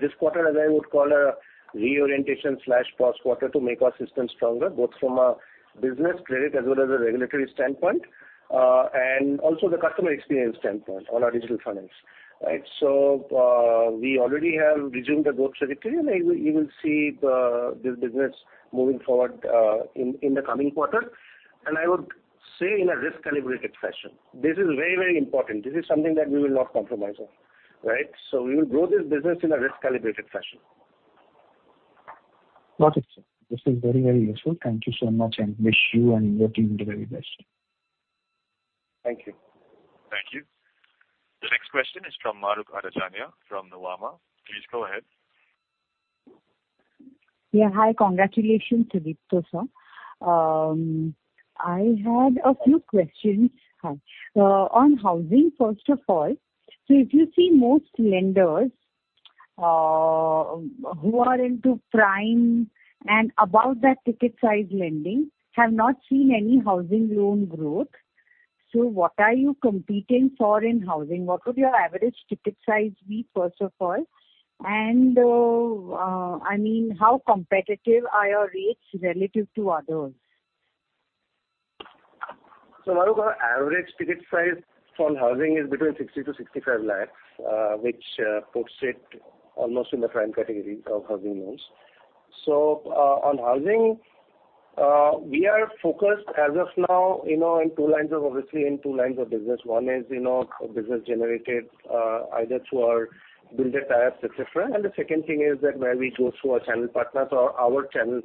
this quarter, as I would call a reorientation/cross quarter to make our system stronger, both from a business credit as well as a regulatory standpoint, and also the customer experience standpoint on our digital funnels, right? So, we already have resumed the growth trajectory, and you will, you will see the, this business moving forward, in, in the coming quarter. And I would say in a risk-calibrated fashion. This is very, very important. This is something that we will not compromise on, right? So we will grow this business in a risk-calibrated fashion. Got it, sir. This is very, very useful. Thank you so much, and wish you and your team the very best. Thank you. Thank you. The next question is from Mahrukh Adajania from Nuvama. Please go ahead. Yeah. Hi, congratulations, Sudipta, sir. I had a few questions. On housing, first of all, so if you see most lenders who are into prime and above that ticket size lending, have not seen any housing loan growth. So what are you competing for in housing? What would your average ticket size be, first of all? And I mean, how competitive are your rates relative to others? So Mahrukh, average ticket size for housing is between 60 lakh-65 lakh, which puts it almost in the prime category of housing loans. So, on housing, we are focused as of now, you know, in two lines of obviously in two lines of business. One is, you know, business generated, either through our builder tie-ups, et cetera. And the second thing is that where we go through our channel partners or our channel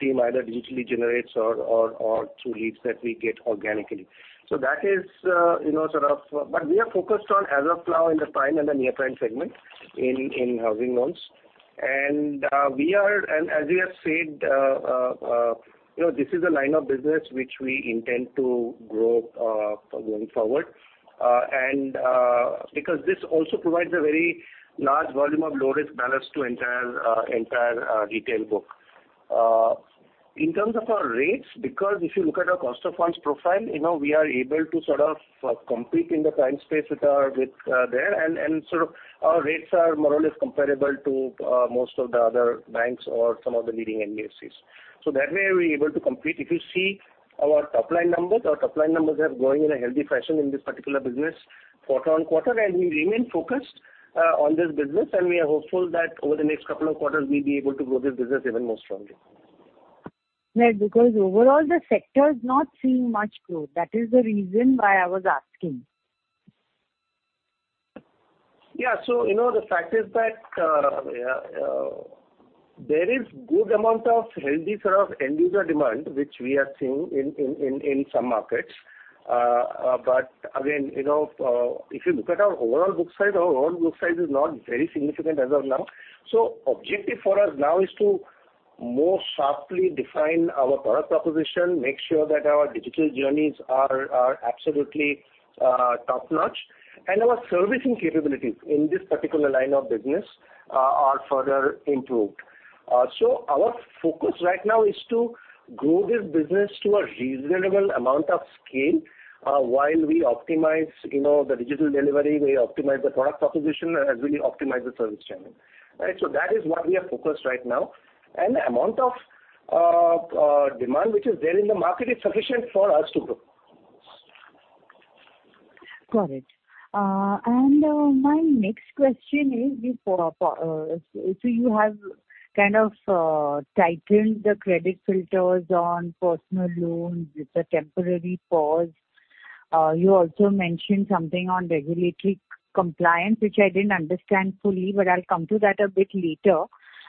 team either digitally generates or, or, or through leads that we get organically. So that is, you know, sort of... But we are focused on as of now in the prime and the near prime segment in, in housing loans. And, we are, and as we have said, you know, this is a line of business which we intend to grow, going forward. And because this also provides a very large volume of low-risk balance to entire, entire, retail book. In terms of our rates, because if you look at our cost of funds profile, you know, we are able to sort of compete in the prime space with our width there, and sort of our rates are more or less comparable to most of the other banks or some of the leading NBFCs. So that way, we're able to compete. If you see our top-line numbers, our top-line numbers are growing in a healthy fashion in this particular business quarter on quarter, and we remain focused on this business, and we are hopeful that over the next couple of quarters, we'll be able to grow this business even more strongly. Yeah, because overall, the sector is not seeing much growth. That is the reason why I was asking. Yeah, so you know, the fact is that, there is good amount of healthy sort of end user demand, which we are seeing in some markets. But again, you know, if you look at our overall book size, our overall book size is not very significant as of now. So objective for us now is to more sharply define our product proposition, make sure that our digital journeys are absolutely top-notch, and our servicing capabilities in this particular line of business are further improved. So our focus right now is to grow this business to a reasonable amount of scale, while we optimize, you know, the digital delivery, we optimize the product proposition, and as we optimize the service channel. Right? So that is what we are focused right now. The amount of demand which is there in the market is sufficient for us to grow. Got it. My next question is, so you have kind of tightened the credit filters on Personal Loans with a temporary pause. You also mentioned something on regulatory compliance, which I didn't understand fully, but I'll come to that a bit later.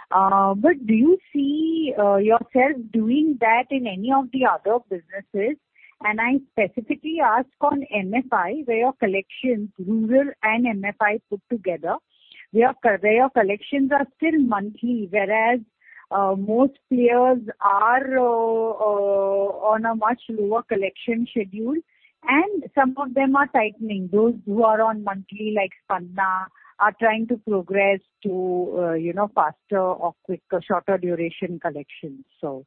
But do you see yourself doing that in any of the other businesses? And I specifically ask on MFI, where your collections, rural and MFI put together, where your collections are still monthly, whereas most players are on a much lower collection schedule, and some of them are tightening. Those who are on monthly, like Spandana, are trying to progress to, you know, faster or quicker, shorter duration collection, so.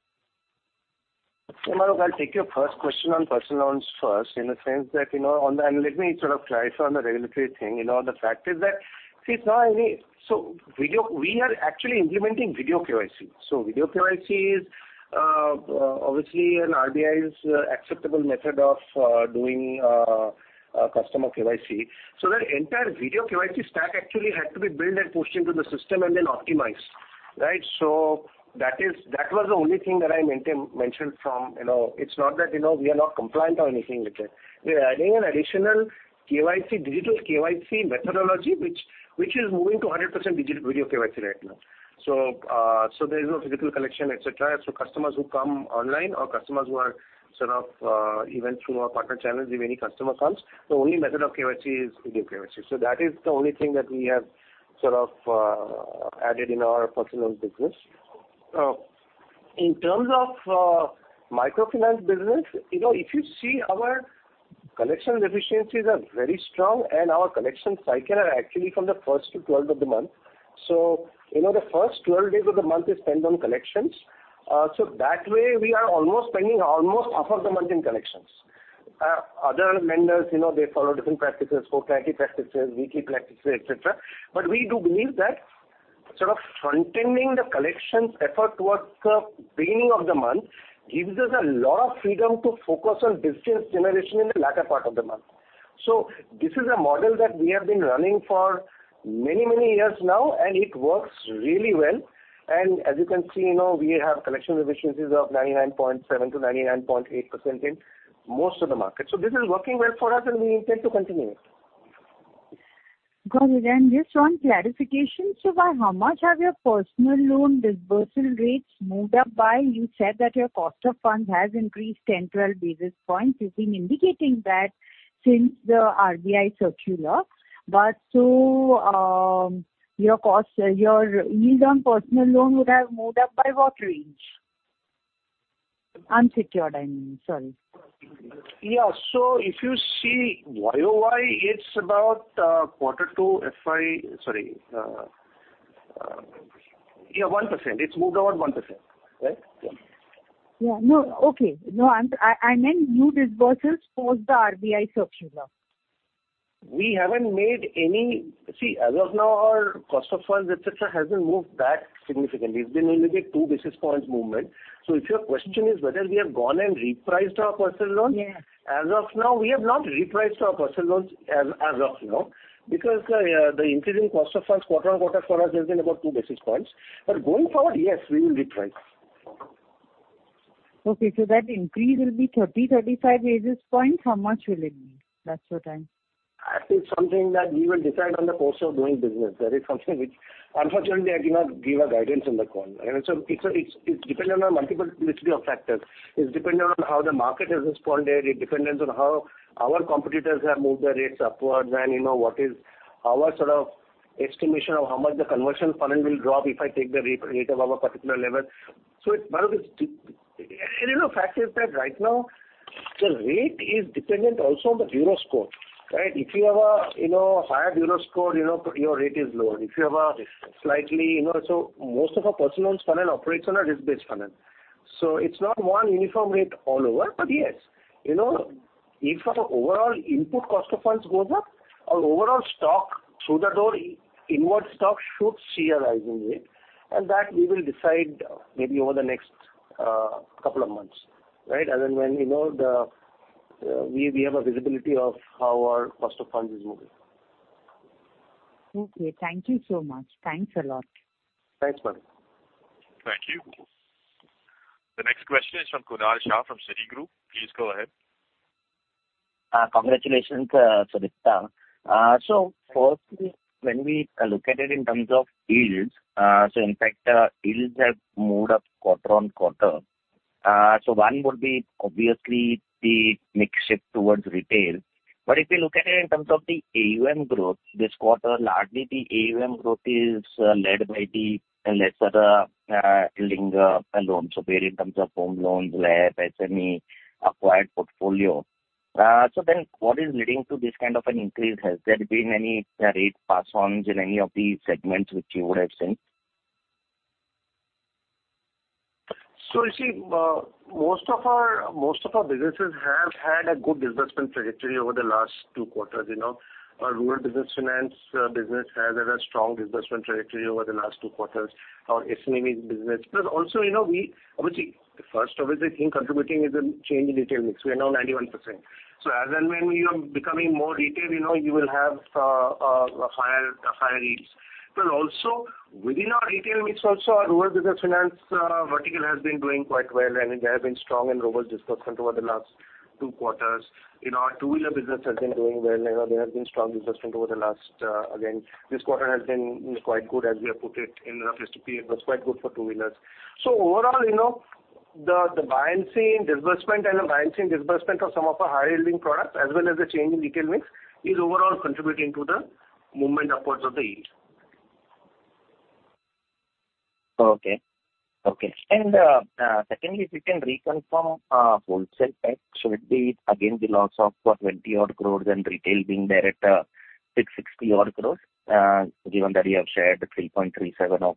So Mahrukh, I'll take your first question on Personal Loans first, in the sense that, you know, on the. Let me sort of clarify on the regulatory thing. You know, the fact is that, see, it's not any-- so Video KYC, we are actually implementing Video KYC. So Video KYC is obviously an RBI's acceptable method of doing customer KYC. So that entire Video KYC stack actually had to be built and pushed into the system and then optimized, right? So that is-- that was the only thing that I mentioned from, you know, it's not that, you know, we are not compliant or anything like that. We are adding an additional KYC, digital KYC methodology, which is moving to 100% digital Video KYC right now. So there is no physical collection, et cetera. So customers who come online or customers who are sort of, even through our partner channels, if any customer comes, the only method of KYC is Video KYC. So that is the only thing that we have sort of, added in our personal business. In terms of, Microfinance business, you know, if you see our collection efficiencies are very strong and our collection cycle are actually from the first to twelfth of the month. So, you know, the first 12 days of the month is spent on collections. So that way, we are almost spending almost half of the month in collections. Other lenders, you know, they follow different practices, fortnightly practices, weekly practices, et cetera. We do believe that sort of front-ending the collections effort towards the beginning of the month, gives us a lot of freedom to focus on business generation in the latter part of the month. So this is a model that we have been running for many, many years now, and it works really well. As you can see, you know, we have collection efficiencies of 99.7%-99.8% in most of the markets. So this is working well for us, and we intend to continue it. Got it, and just one clarification. So by how much have your Personal Loan disbursement rates moved up by? You said that your cost of funds has increased 10, 12 basis points, you've been indicating that since the RBI circular. But so, your cost, your yield on Personal Loan would have moved up by what range? Unsecured, I mean, sorry. Yeah. So if you see YoY, it's about a quarter to FY... Sorry, yeah, 1%. It's moved about 1%, right? Yeah. Yeah. No. Okay. No, I meant new disbursements post the RBI circular. See, as of now, our cost of funds, et cetera, has been moved back significantly. It's been only a two basis points movement. So if your question is whether we have gone and repriced our Personal Loans? Yes. As of now, we have not repriced our Personal Loans as of now, because the increase in cost of funds quarter-on-quarter for us has been about two basis points. But going forward, yes, we will reprice. Okay, so that increase will be 30-35 basis points? How much will it be? That's what I'm- That is something that we will decide on the course of doing business. That is something which, unfortunately, I cannot give a guidance on the call. And so it's dependent on multiple maturity of factors. It's dependent on how the market has responded, it dependent on how our competitors have moved their rates upwards, and, you know, what is our sort of estimation of how much the conversion funnel will drop if I take the rate of our particular level. So it's one of the... And you know, fact is that right now, the rate is dependent also on the bureau score, right? If you have a, you know, higher bureau score, you know, your rate is lower. If you have a slightly... You know, so most of our Personal Loans funnel operates on a risk-based funnel. So it's not one uniform rate all over. But yes, you know, if our overall input cost of funds goes up, our overall stock through the door, inward stock should see a rising rate, and that we will decide maybe over the next couple of months, right? And then when we know the, we, we have a visibility of how our cost of funds is moving. Okay, thank you so much. Thanks a lot. Thanks, madam. Thank you. The next question is from Kunal Shah, from Citigroup. Please go ahead. Congratulations, Sudipta. So firstly, when we look at it in terms of yields, so in fact, yields have moved up quarter-on-quarter. So one would be obviously the mix shift towards retail. But if you look at it in terms of the AUM growth, this quarter, largely the AUM growth is led by the lesser yielding loans. So where in terms of Home Loans, where SME acquired portfolio. So then, what is leading to this kind of an increase? Has there been any rate pass-ons in any of the segments which you would have seen? So you see, most of our, most of our businesses have had a good disbursement trajectory over the last two quarters, you know. Our Rural Business Finance business has had a strong disbursement trajectory over the last two quarters. Our SME business. Plus also, you know, obviously, first, obviously, contributing is a change in retail mix. We are now 91%. So as and when we are becoming more retail, you know, you will have higher, higher yields. But also, within our retail mix, also our Rural Business Finance vertical has been doing quite well, and there have been strong and robust disbursements over the last two quarters. You know, our Two-Wheeler business has been doing well, and there has been strong disbursement over the last. Again, this quarter has been quite good, as we have put it in the past PP. It was quite good for Two-Wheelers. So overall, you know, the buoyancy in disbursement and the buoyancy in disbursement of some of our higher-yielding products, as well as the change in retail mix, is overall contributing to the movement upwards of the yield. Okay. Okay. And, secondly, if you can reconfirm, wholesale, right? Should it be again, the loss of 20-odd crore and retail being there at 660-odd crore, given that you have shared 3.37 of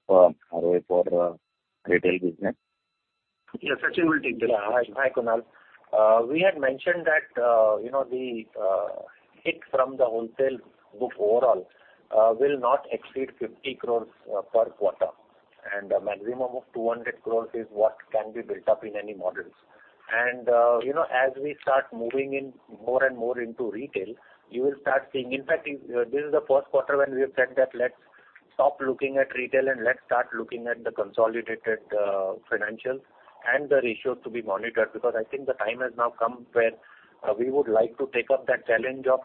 ROA for Retail Business? Yes, Sachinn will take this. Yeah. Hi, Kunal. We had mentioned that, you know, the hit from the wholesale book overall will not exceed 50 crore per quarter, and a maximum of 200 crore is what can be built up in any models. You know, as we start moving in more and more into retail, you will start seeing... In fact, this is the first quarter when we have said that let's stop looking at retail, and let's start looking at the consolidated financials and the ratios to be monitored. Because I think the time has now come where we would like to take up that challenge of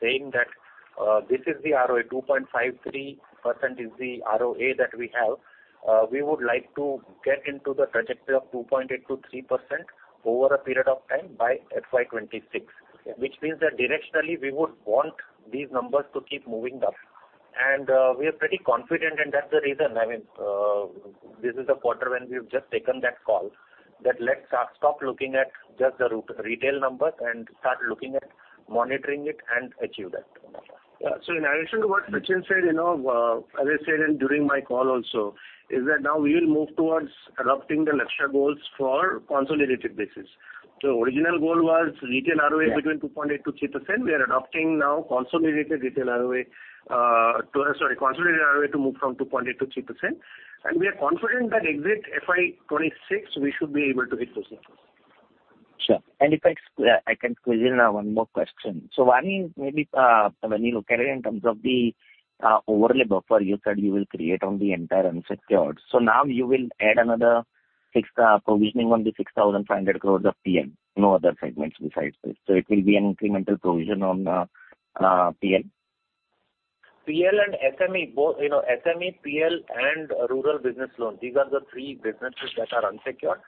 saying that this is the ROA, 2.53% is the ROA that we have. We would like to get into the trajectory of 2.8%-3% over a period of time by FY 2026. Which means that directionally, we would want these numbers to keep moving up. We are pretty confident, and that's the reason, I mean, this is a quarter when we've just taken that call, that let's stop looking at just the retail numbers and start monitoring it and achieve that. Yeah. So in addition to what Sachinn said, you know, as I said, and during my call also, is that now we will move towards adopting the Lakshya goals for consolidated basis. So original goal was retail ROA- Yeah. between 2.8%-3%. We are adopting now consolidated retail ROA, Sorry, consolidated ROA to move from 2.8%-3%. We are confident that exit FY 2026, we should be able to hit those numbers. Sure. And if I can squeeze in one more question. So one is maybe when you look at it in terms of the overlay buffer, you said you will create on the entire unsecured. So now you will add another six provisioning on the 6,500 crore of PL, no other segments besides this. So it will be an incremental provision on PL? PL and SME, both, you know, SME, PL and Rural Business loans, these are the three businesses that are unsecured.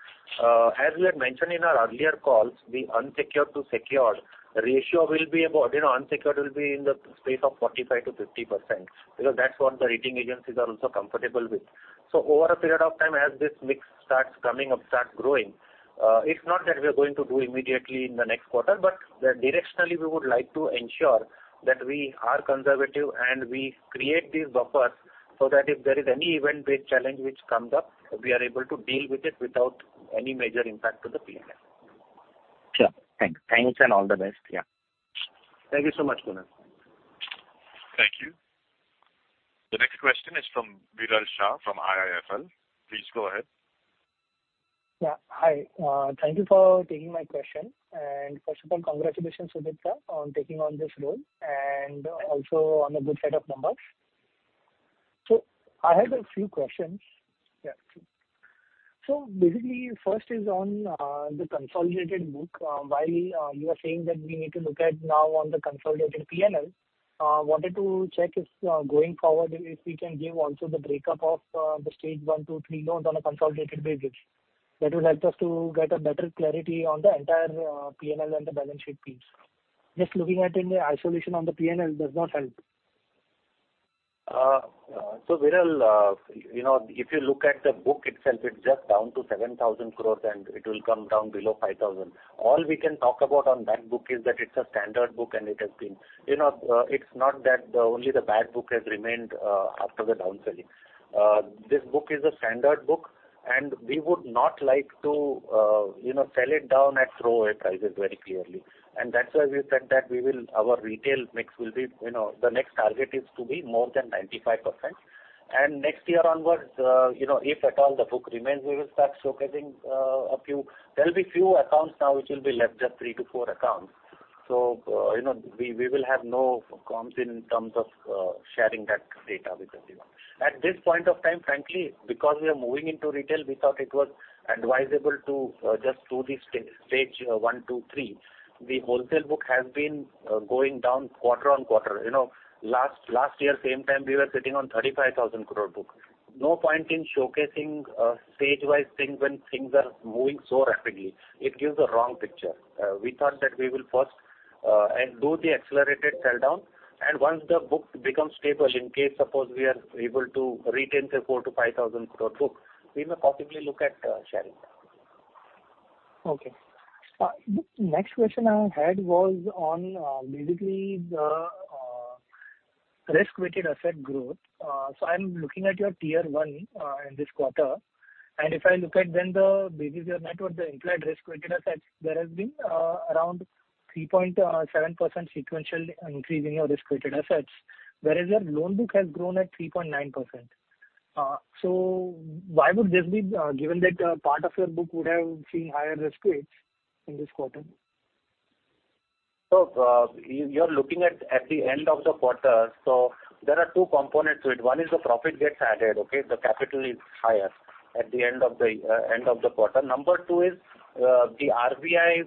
As we had mentioned in our earlier calls, the unsecured to secured ratio will be about, you know, unsecured will be in the space of 45%-50%, because that's what the rating agencies are also comfortable with. So over a period of time, as this mix starts coming up, starts growing, it's not that we are going to do immediately in the next quarter, but directionally, we would like to ensure that we are conservative and we create these buffers so that if there is any event-based challenge which comes up, we are able to deal with it without any major impact to the PL. Sure. Thanks. Thanks and all the best. Yeah. Thank you so much, Kunal. Thank you. The next question is from Viral Shah, from IIFL. Please go ahead. Yeah. Hi, thank you for taking my question. First of all, congratulations, Sudipta sir, on taking on this role and also on a good set of numbers. I had a few questions. Yeah. So basically, first is on the consolidated book. While you are saying that we need to look at now on the consolidated P&L, wanted to check if going forward, if we can give also the breakup of the Stage 1, 2, 3 loans on a consolidated basis. That will help us to get a better clarity on the entire P&L and the balance sheet piece. Just looking at in the isolation on the P&L does not help. So Viral, you know, if you look at the book itself, it's just down to 7,000 crore, and it will come down below 5,000. All we can talk about on that book is that it's a standard book, and it has been... You know, it's not that only the bad book has remained after the downselling. This book is a standard book, and we would not like to, you know, sell it down at throwaway prices very clearly. And that's why we said that we will - our retail mix will be, you know, the next target is to be more than 95%. And next year onwards, you know, if at all the book remains, we will start showcasing a few. There will be few accounts now, which will be left, just three to four accounts. So, you know, we will have no comms in terms of sharing that data with everyone. At this point of time, frankly, because we are moving into retail, we thought it was advisable to just do the Stage 1, 2, 3. The wholesale book has been going down quarter on quarter. You know, last year, same time, we were sitting on 35,000 crore book. No point in showcasing stage-wise things when things are moving so rapidly. It gives a wrong picture. We thought that we will first and do the accelerated sell-down, and once the book becomes stable, in case, suppose we are able to retain the 4,000-5,000 crore book, we may possibly look at sharing that. Okay. The next question I had was on basically the risk-weighted asset growth. So I'm looking at your Tier 1 in this quarter. And if I look at when the basically your net worth, the implied risk-weighted assets, there has been around 3.7% sequential increase in your risk-weighted assets, whereas your loan book has grown at 3.9%. So why would this be, given that a part of your book would have seen higher risk weights in this quarter? So, you're looking at the end of the quarter. So there are two components to it. One is the profit gets added, okay? The capital is higher at the end of the end of the quarter. Number two is the RBI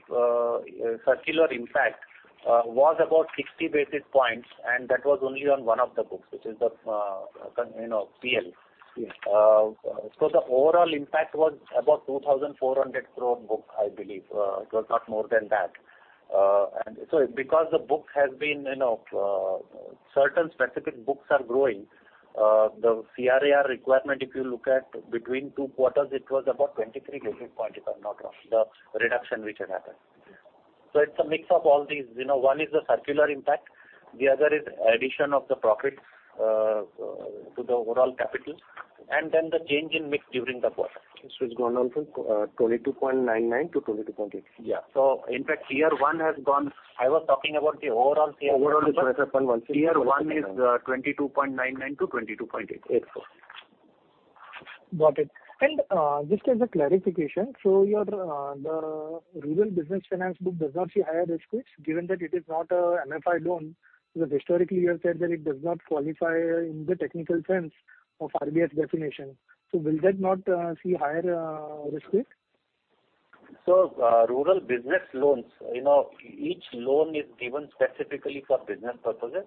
circular impact was about 60 basis points, and that was only on one of the books, which is the con... You know, PL. So the overall impact was about 2,400 crore book, I believe. It was not more than that. And so because the book has been, you know, certain specific books are growing, the CRAR requirement, if you look at between two quarters, it was about 23 basis point, if I'm not wrong, the reduction which had happened. So it's a mix of all these. You know, one is the circular impact, the other is addition of the profits to the overall capital, and then the change in mix during the quarter. So it's gone on to 22.99-22.8. Yeah. So in fact, Tier 1 has gone... I was talking about the overall Tier 1. Overall, it's gone up on one- Tier 1 is 22.99-22.8. 84. Got it. And just as a clarification, so your, the Rural Business Finance book does not see higher risk weights, given that it is not a MFI loan, because historically, you have said that it does not qualify in the technical sense of RBI's definition. So will that not see higher risk weight? So, Rural Business loans, you know, each loan is given specifically for business purposes.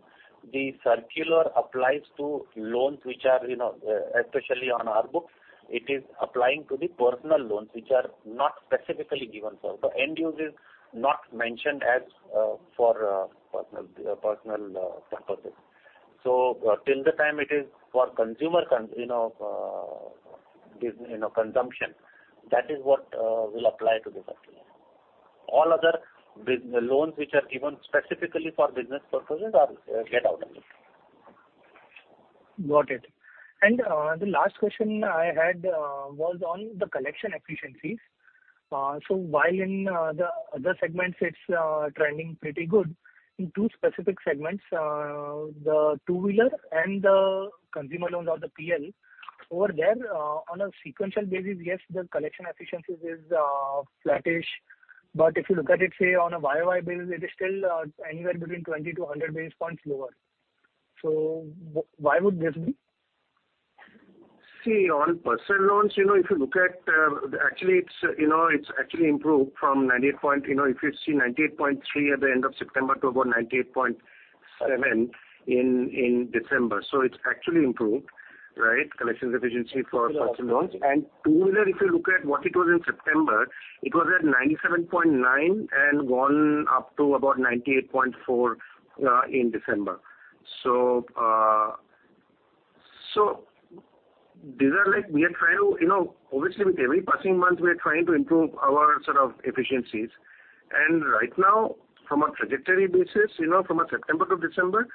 The circular applies to loans which are, you know, especially on our book, it is applying to the Personal Loans, which are not specifically given for. The end use is not mentioned as for personal purposes. So till the time it is for consumer consumption, you know, that is what will apply to the circular. All other loans which are given specifically for business purposes are get out of it. Got it. And, the last question I had, was on the collection efficiencies. So while in, the other segments, it's, trending pretty good, in two specific segments, the Two-Wheeler and the consumer loans or the PL, over there, on a sequential basis, yes, the collection efficiencies is, flattish... but if you look at it, say, on a YoY basis, it is still, anywhere between 20-100 basis points lower. So w- why would this be? See, on Personal Loans, you know, if you look at, actually, it's, you know, it's actually improved from 98 point, you know, if you see 98.3% at the end of September to about 98.7% in December. So it's actually improved, right? Collection efficiency for Personal Loans. And Two-Wheeler, if you look at what it was in September, it was at 97.9% and gone up to about 98.4% in December. So, so these are like we are trying to... You know, obviously, with every passing month, we are trying to improve our sort of efficiencies. And right now, from a trajectory basis, you know, from a September to December,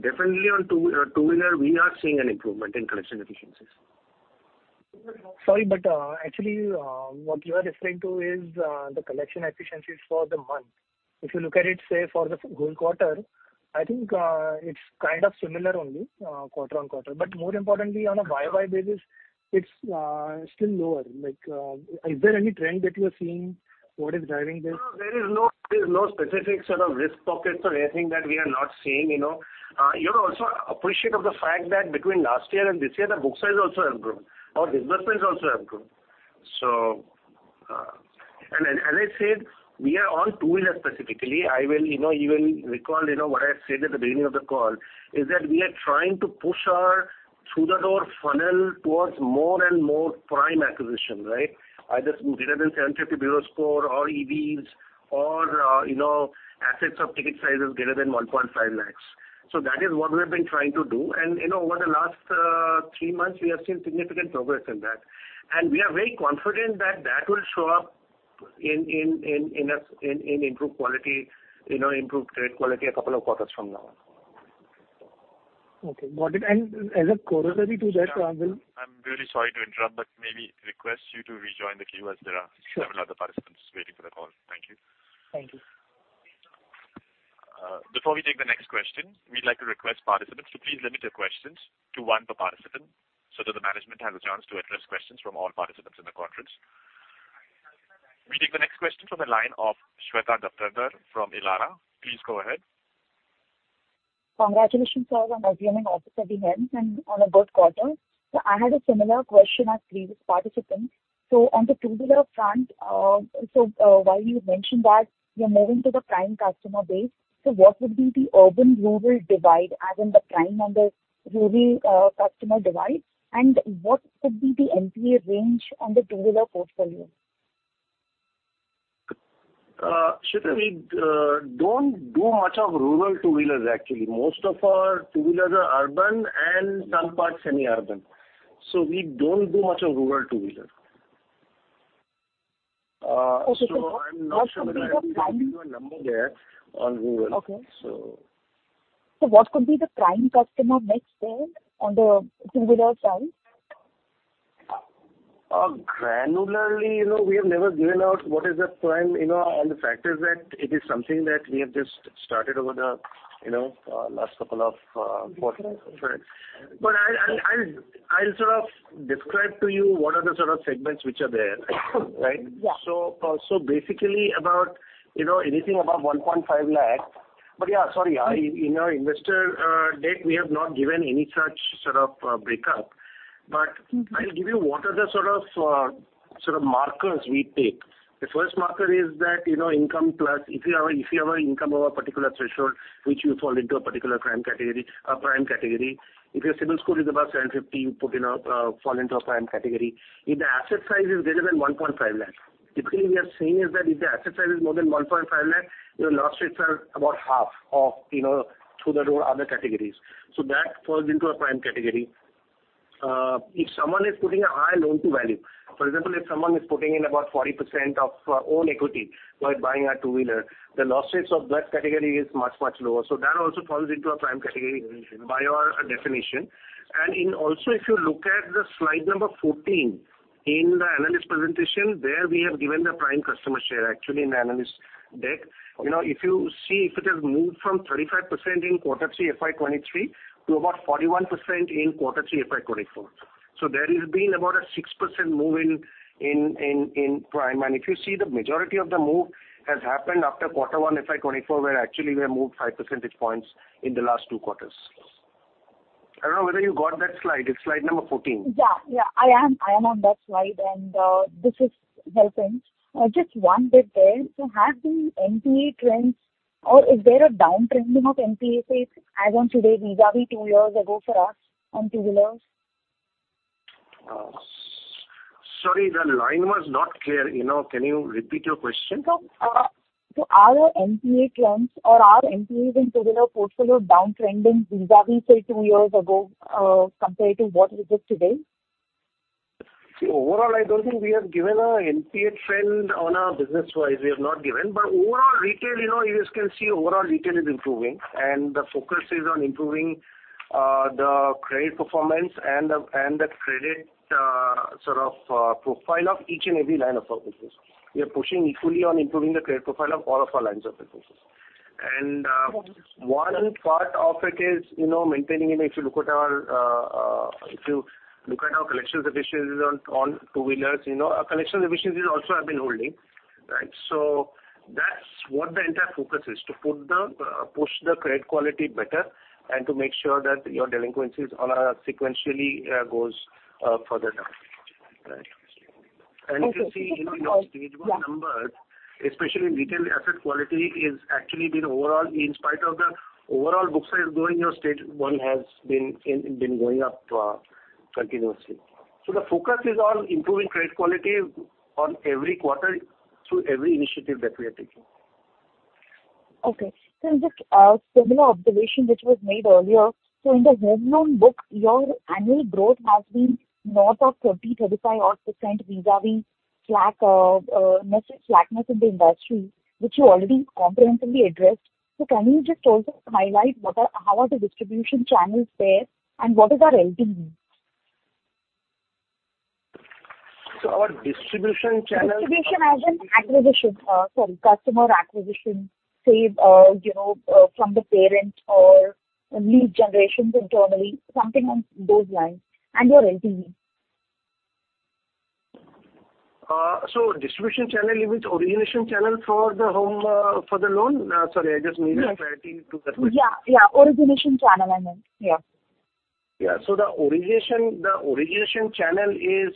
definitely on Two-Wheeler, Two-Wheeler, we are seeing an improvement in collection efficiencies. Sorry, but actually, what you are referring to is the collection efficiencies for the month. If you look at it, say, for the full quarter, I think it's kind of similar only, quarter-on-quarter. But more importantly, on a YoY basis, it's still lower. Like, is there any trend that you are seeing? What is driving this? No, there is no specific sort of risk pockets or anything that we are not seeing, you know. You're also appreciative of the fact that between last year and this year, the book size also improved. Our business base also improved. So, and as I said, we are on Two-Wheeler specifically, I will, you know, even recall, you know, what I said at the beginning of the call, is that we are trying to push our through-the-door funnel towards more and more prime acquisition, right? Either greater than 750 bureau score or EVs or, you know, assets of ticket sizes greater than 1.5 lakh. So that is what we have been trying to do, and, you know, over the last three months, we have seen significant progress in that. We are very confident that that will show up in an improved quality, you know, improved credit quality a couple of quarters from now. Okay. Got it. And as a corollary to that, I will- I'm really sorry to interrupt, but may we request you to rejoin the queue as there are- Sure. Several other participants waiting for the call. Thank you. Thank you. Before we take the next question, we'd like to request participants to please limit their questions to one per participant, so that the management has a chance to address questions from all participants in the conference. We take the next question from the line of Shweta Daptardar from Elara. Please go ahead. Congratulations all on resuming office at the end and on a good quarter. I had a similar question as previous participant. On the Two-Wheeler front, while you mentioned that you're moving to the prime customer base, what would be the urban-rural divide, as in the prime member rural customer divide? And what could be the NPA range on the Two-Wheeler portfolio? Shweta, we don't do much of rural Two-Wheelers, actually. Most of our Two-Wheelers are urban and some parts semi-urban, so we don't do much of rural Two-Wheeler. So I'm not sure that I give you a number there on rural. Okay. So... What could be the prime customer mix there on the Two-Wheeler side? Granularly, you know, we have never given out what is the prime, you know, and the fact is that it is something that we have just started over the, you know, last couple of quarters. Quarters. But I'll sort of describe to you what are the sort of segments which are there, right? Yeah. So, basically about, you know, anything above 1.5 lakh. But yeah, sorry, in our investor deck, we have not given any such sort of breakup, but- Mm-hmm. I'll give you what are the sort of, sort of markers we take. The first marker is that, you know, income plus... If you have an income of a particular threshold, which you fall into a particular prime category, a prime category, if your CIBIL Score is above 750, you fall into a prime category. If the asset size is greater than 150,000. Typically, we are saying is that if the asset size is more than 150,000, your loss rates are about half of, you know, through the other categories. So that falls into a prime category. If someone is putting a high loan-to-value, for example, if someone is putting in about 40% of own equity while buying a Two-Wheeler, the loss rates of that category is much, much lower. So that also falls into a prime category by our definition. And in, also, if you look at the slide number 14 in the analyst presentation, there we have given the prime customer share, actually, in the analyst deck. You know, if you see, if it has moved from 35% in quarter three FY 2023 to about 41% in quarter three, FY 2024. So there has been about a 6% move in prime. And if you see, the majority of the move has happened after quarter one, FY 2024, where actually we have moved 5 percentage points in the last two quarters. I don't know whether you got that slide. It's slide number 14. Yeah, yeah, I am, I am on that slide, and this is helping. Just one bit there. So have the NPA trends or is there a downtrending of NPA rates as on today, vis-à-vis two years ago for us on Two-Wheelers? Sorry, the line was not clear, you know. Can you repeat your question? So, are our NPA trends or are NPAs in Two-Wheeler portfolio downtrending vis-à-vis, say, two years ago, compared to what it is today? See, overall, I don't think we have given a NPA trend on our business-wise. We have not given, but overall retail, you know, you just can see overall retail is improving, and the focus is on improving the credit performance and the credit sort of profile of each and every line of our business. We are pushing equally on improving the credit profile of all of our lines of businesses, and one part of it is, you know, maintaining, and if you look at our collection efficiencies on Two-Wheelers, you know, our collection efficiencies also have been holding, right? So that's what the entire focus is, to push the credit quality better and to make sure that your delinquencies sequentially goes further down. Right. Okay. If you see in our Stage 1 numbers, especially retail asset quality is actually been overall, in spite of the overall book size growing, your Stage 1 has been going up continuously. So the focus is on improving credit quality on every quarter through every initiative that we are taking. Okay. So just a similar observation which was made earlier. So in the Home Loan book, your annual growth has been north of 30%-35% odd vis-a-vis slackness in the industry, which you already comprehensively addressed. So can you just also highlight what are... how are the distribution channels there, and what is our LTV? So our distribution channels- Distribution as in acquisition, sorry, customer acquisition, say, you know, from the parent or lead generations internally, something on those lines, and your LTV. So distribution channel, you mean the origination channel for the Home, for the loan? Sorry, I just need clarity to that question. Yes. Yeah, yeah, origination channel, I meant. Yeah. Yeah. So the origination channel is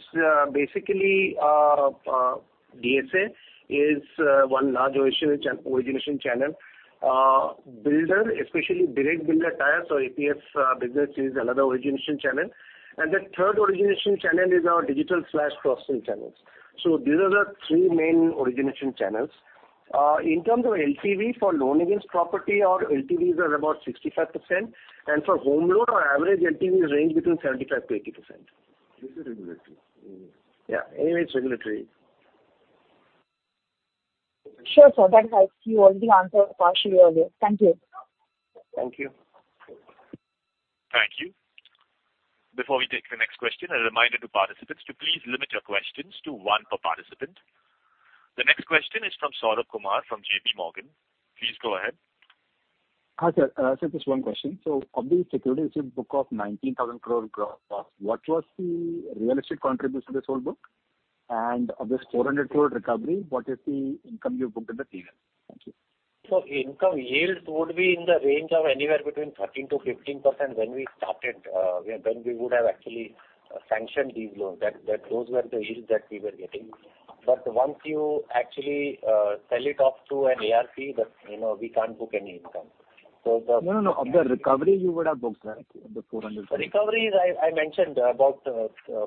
basically DSA is one large origination channel. Builder, especially direct builder tie, so APF business is another origination channel. And the third origination channel is our digital / cross-sell channels. So these are the three main origination channels. In terms of LTV, for loan against property, our LTVs are about 65%, and for Home Loan, our average LTV range between 75%-80%. This is regulatory. Yeah, anyway, it's regulatory. Sure, sir, that helps. You already answered partially earlier. Thank you. Thank you. Thank you. Before we take the next question, a reminder to participants to please limit your questions to one per participant. The next question is from Saurabh Kumar, from JPMorgan. Please go ahead. Hi, sir. Sir, just one question. So of the securities in book of 19,000 crore gross, what was the real estate contribution to this whole book? And of this 400 crore recovery, what is the income you've booked in the Q3? Thank you. So income yields would be in the range of anywhere between 13%-15% when we started, when we would have actually sanctioned these loans, that, that those were the yields that we were getting. But once you actually sell it off to an ARC, that, you know, we can't book any income. So the- No, no, no, of the recovery, you would have booked, sir, the 400- Recoveries, I, I mentioned about,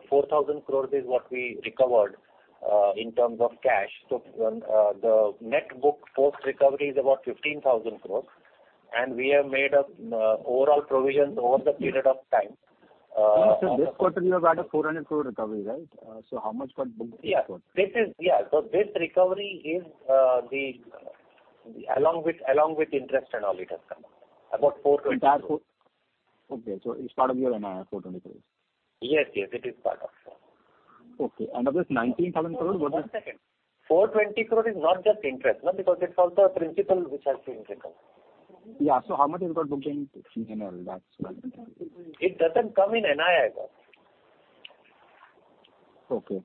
4,000 crores is what we recovered, in terms of cash. So, the net book post-recovery is about fifteen thousand crores, and we have made up, overall provisions over the period of time. Yes, sir, this quarter you have had a 400 crore recovery, right? So how much got booked this quarter? Yeah, this is... Yeah, so this recovery is, the, along with, along with interest and all, it has come about 400- Okay, so it's part of your NII, 400 crore. Yes, yes, it is part of NII. Okay. And of this 19,000 crore, what are- One second. 420 crore is not just interest, no, because it's also a principal which has been recovered. Yeah. So how much you got booked in general, that's what? It doesn't come in NII, though. Okay.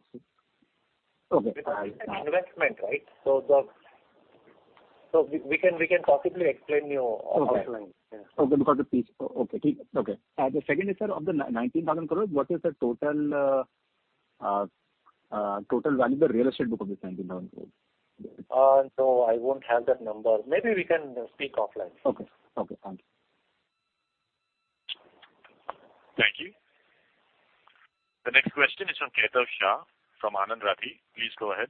Okay. It's an investment, right? So we can possibly explain to you offline. Okay, the second is, sir, of the 19,000 crore, what is the total value of the real estate book of this 19,000 crore? No, I won't have that number. Maybe we can speak offline. Okay. Okay, thank you. Thank you. The next question is from Kaitav Shah, from Anand Rathi. Please go ahead.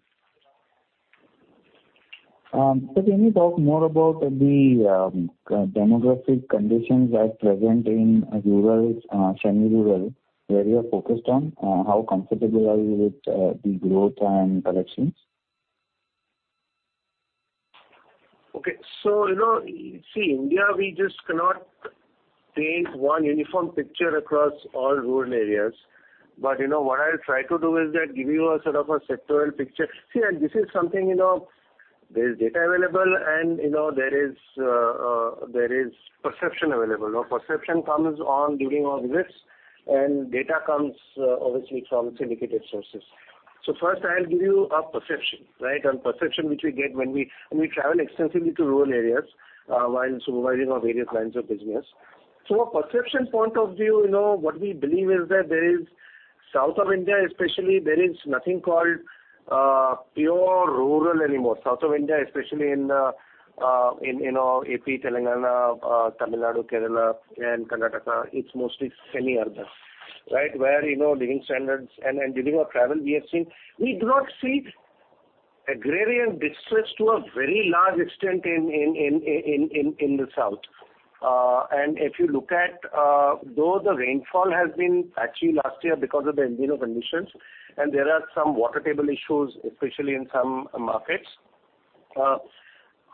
So can you talk more about the demographic conditions that present in rural, semi-rural, where you are focused on, how comfortable are you with the growth and collections? Okay. So, you know, see, India, we just cannot paint one uniform picture across all rural areas. But, you know, what I'll try to do is that give you a sort of a sectoral picture. See, and this is something, you know, there's data available, and, you know, there is perception available. Now, perception comes on during our visits, and data comes, obviously, from syndicated sources. So first, I'll give you a perception, right? A perception which we get when we travel extensively to rural areas, while supervising our various lines of business. So a perception point of view, you know, what we believe is that there is, south of India, especially, there is nothing called, pure rural anymore. South of India, especially in, you know, AP, Telangana, Tamil Nadu, Kerala, and Karnataka, it's mostly semi-urban, right? Where, you know, living standards and during our travel, we have seen. We do not see agrarian distress to a very large extent in the south. And if you look at, though the rainfall has been actually last year because of the El Niño conditions, and there are some water table issues, especially in some markets,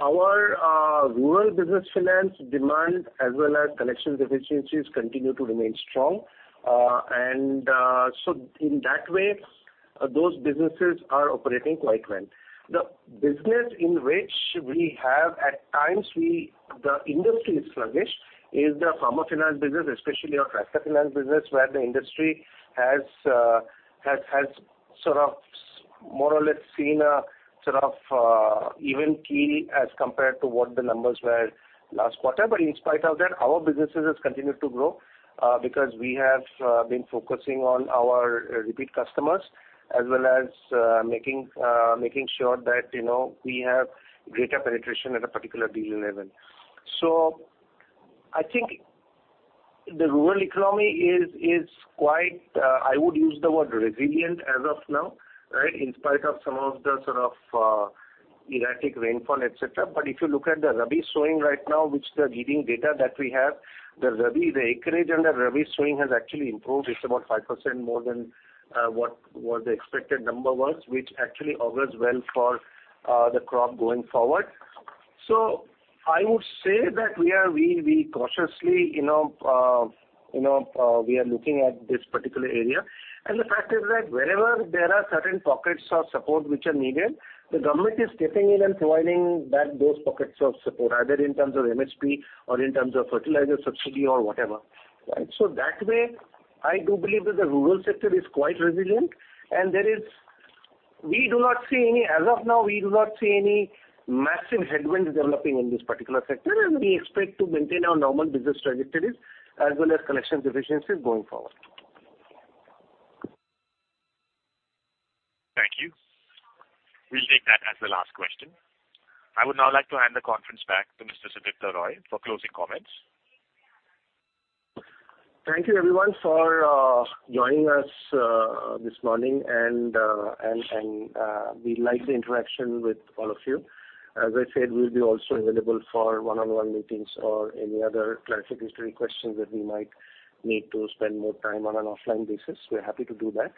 our Rural Business Finance demand as well as collection deficiencies continue to remain strong. And so in that way, those businesses are operating quite well. The business in which we have at times the industry is sluggish is the Farmer Finance business, especially our Tractor Finance business, where the industry has sort of more or less seen a sort of even key as compared to what the numbers were last quarter. But in spite of that, our businesses has continued to grow, because we have been focusing on our repeat customers, as well as making sure that, you know, we have greater penetration at a particular dealer level. So I think the rural economy is quite, I would use the word resilient as of now, right? In spite of some of the sort of erratic rainfall, et cetera. But if you look at the Rabi sowing right now, which the leading data that we have, the Rabi, the acreage under Rabi sowing has actually improved. It's about 5% more than what the expected number was, which actually augurs well for the crop going forward. So I would say that we cautiously, you know, we are looking at this particular area. The fact is that wherever there are certain pockets of support which are needed, the government is stepping in and providing that, those pockets of support, either in terms of MSP or in terms of fertilizer subsidy or whatever, right? So that way, I do believe that the rural sector is quite resilient, and there is, we do not see any, as of now, we do not see any massive headwinds developing in this particular sector, and we expect to maintain our normal business trajectories as well as collection efficiencies going forward. Thank you. We'll take that as the last question. I would now like to hand the conference back to Mr. Sudipta Roy for closing comments. Thank you, everyone, for joining us this morning, and we like the interaction with all of you. As I said, we'll be also available for one-on-one meetings or any other clarity history questions that we might need to spend more time on an offline basis. We're happy to do that.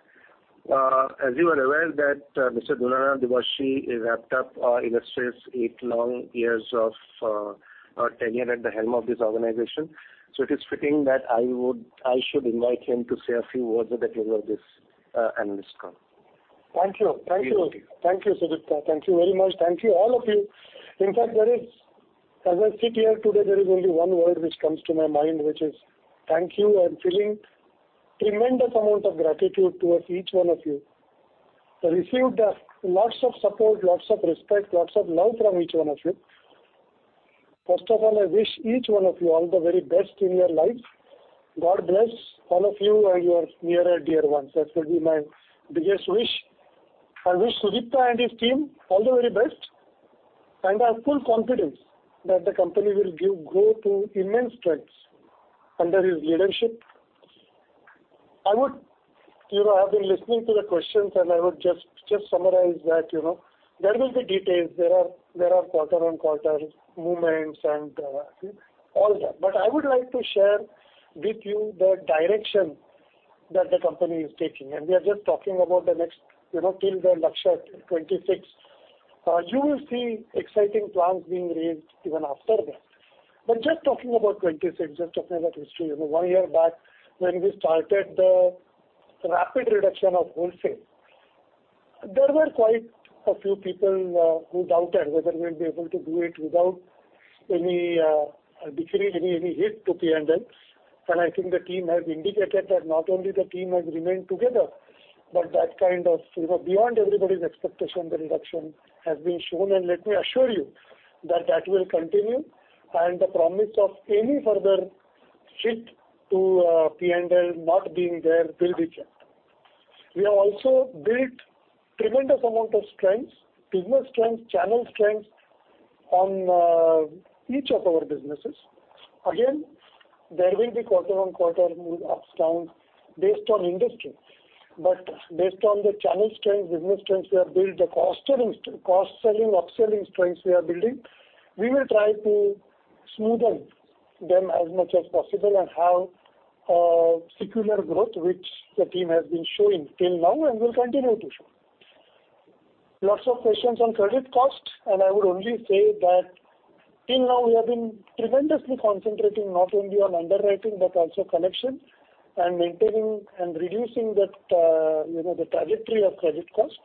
As you are aware that Mr. Dinanath Dubhashi has wrapped up in a space eight long years of tenure at the helm of this organization. So it is fitting that I would - I should invite him to say a few words at the close of this analyst call. Thank you. Thank you. Please. Thank you, Sudipta. Thank you very much. Thank you, all of you. In fact, there is, as I sit here today, there is only one word which comes to my mind, which is thank you. I'm feeling tremendous amount of gratitude towards each one of you. I received, lots of support, lots of respect, lots of love from each one of you. First of all, I wish each one of you all the very best in your lives. God bless all of you and your near and dear ones. That will be my biggest wish. I wish Sudipta and his team all the very best, and I have full confidence that the company will give growth to immense strengths under his leadership. I would... You know, I've been listening to the questions, and I would just, just summarize that, you know, there will be details. There are quarter-on-quarter movements and all that. But I would like to share with you the direction that the company is taking, and we are just talking about the next, you know, till the Lakshya 2026. You will see exciting plans being raised even after that. But just talking about 2026, just talking about history, you know, one year back, when we started the rapid reduction of wholesale, there were quite a few people who doubted whether we'll be able to do it without any drag, any hit to P&L. And I think the team has indicated that not only the team has remained together, but that kind of, you know, beyond everybody's expectation, the reduction has been shown. And let me assure you that that will continue, and the promise of any further shift to P&L not being there will be kept. We have also built tremendous amount of strengths, business strengths, channel strengths on each of our businesses. Again, there will be quarter-on-quarter move ups, downs, based on industry. But based on the channel strengths, business strengths, we have built a cross-selling, upselling strengths we are building. We will try to smoothen them as much as possible and have a secular growth, which the team has been showing till now and will continue to show. Lots of questions on credit costs, and I would only say that till now, we have been tremendously concentrating not only on underwriting, but also collection and maintaining and reducing that, you know, the trajectory of credit cost.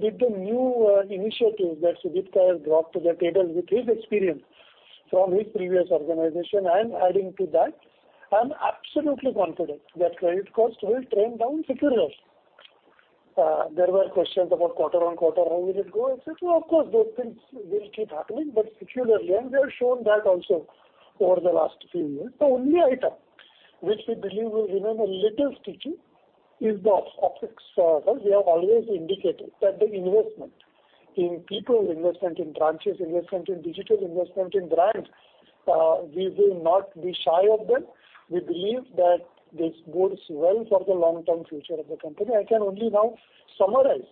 With the new initiative that Sudipta has brought to the table with his experience from his previous organization, I am adding to that. I'm absolutely confident that credit costs will trend down secularly. There were questions about quarter-on-quarter, how will it go, et cetera. Of course, those things will keep happening, but secularly, and we have shown that also over the last few years. The only item which we believe will remain a little sticky is the OpEx. We have always indicated that the investment in people, investment in branches, investment in digital, investment in brands, we will not be shy of them. We believe that this bodes well for the long-term future of the company. I can only now summarize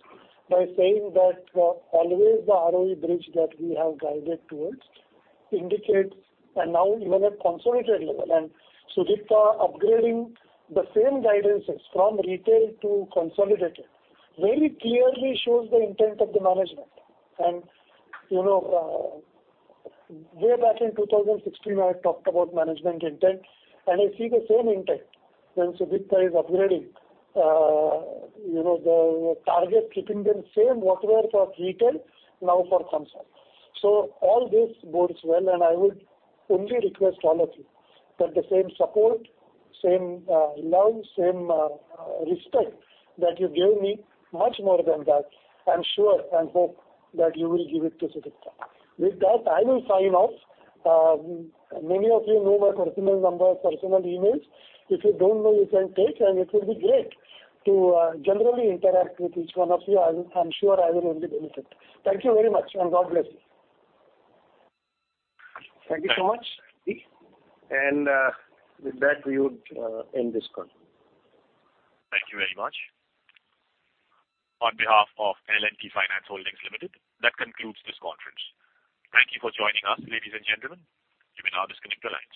by saying that always the ROE bridge that we have guided towards indicates and now even at consolidated level, and Sudipta upgrading the same guidances from retail to consolidated, very clearly shows the intent of the management. And, you know, way back in 2016, I had talked about management intent, and I see the same intent when Sudipta is upgrading, you know, the target, keeping them same, whatever for retail, now for consolidated. So all this bodes well, and I would only request all of you that the same support, same, love, same, respect that you gave me, much more than that, I'm sure and hope that you will give it to Sudipta. With that, I will sign off. Many of you know my personal number, personal emails. If you don't know, you can take, and it will be great to generally interact with each one of you. I'm sure I will only benefit. Thank you very much, and God bless you. Thank you so much. With that, we would end this call. Thank you very much. On behalf of L&T Finance Holdings Limited, that concludes this conference. Thank you for joining us, ladies and gentlemen. You may now disconnect your lines.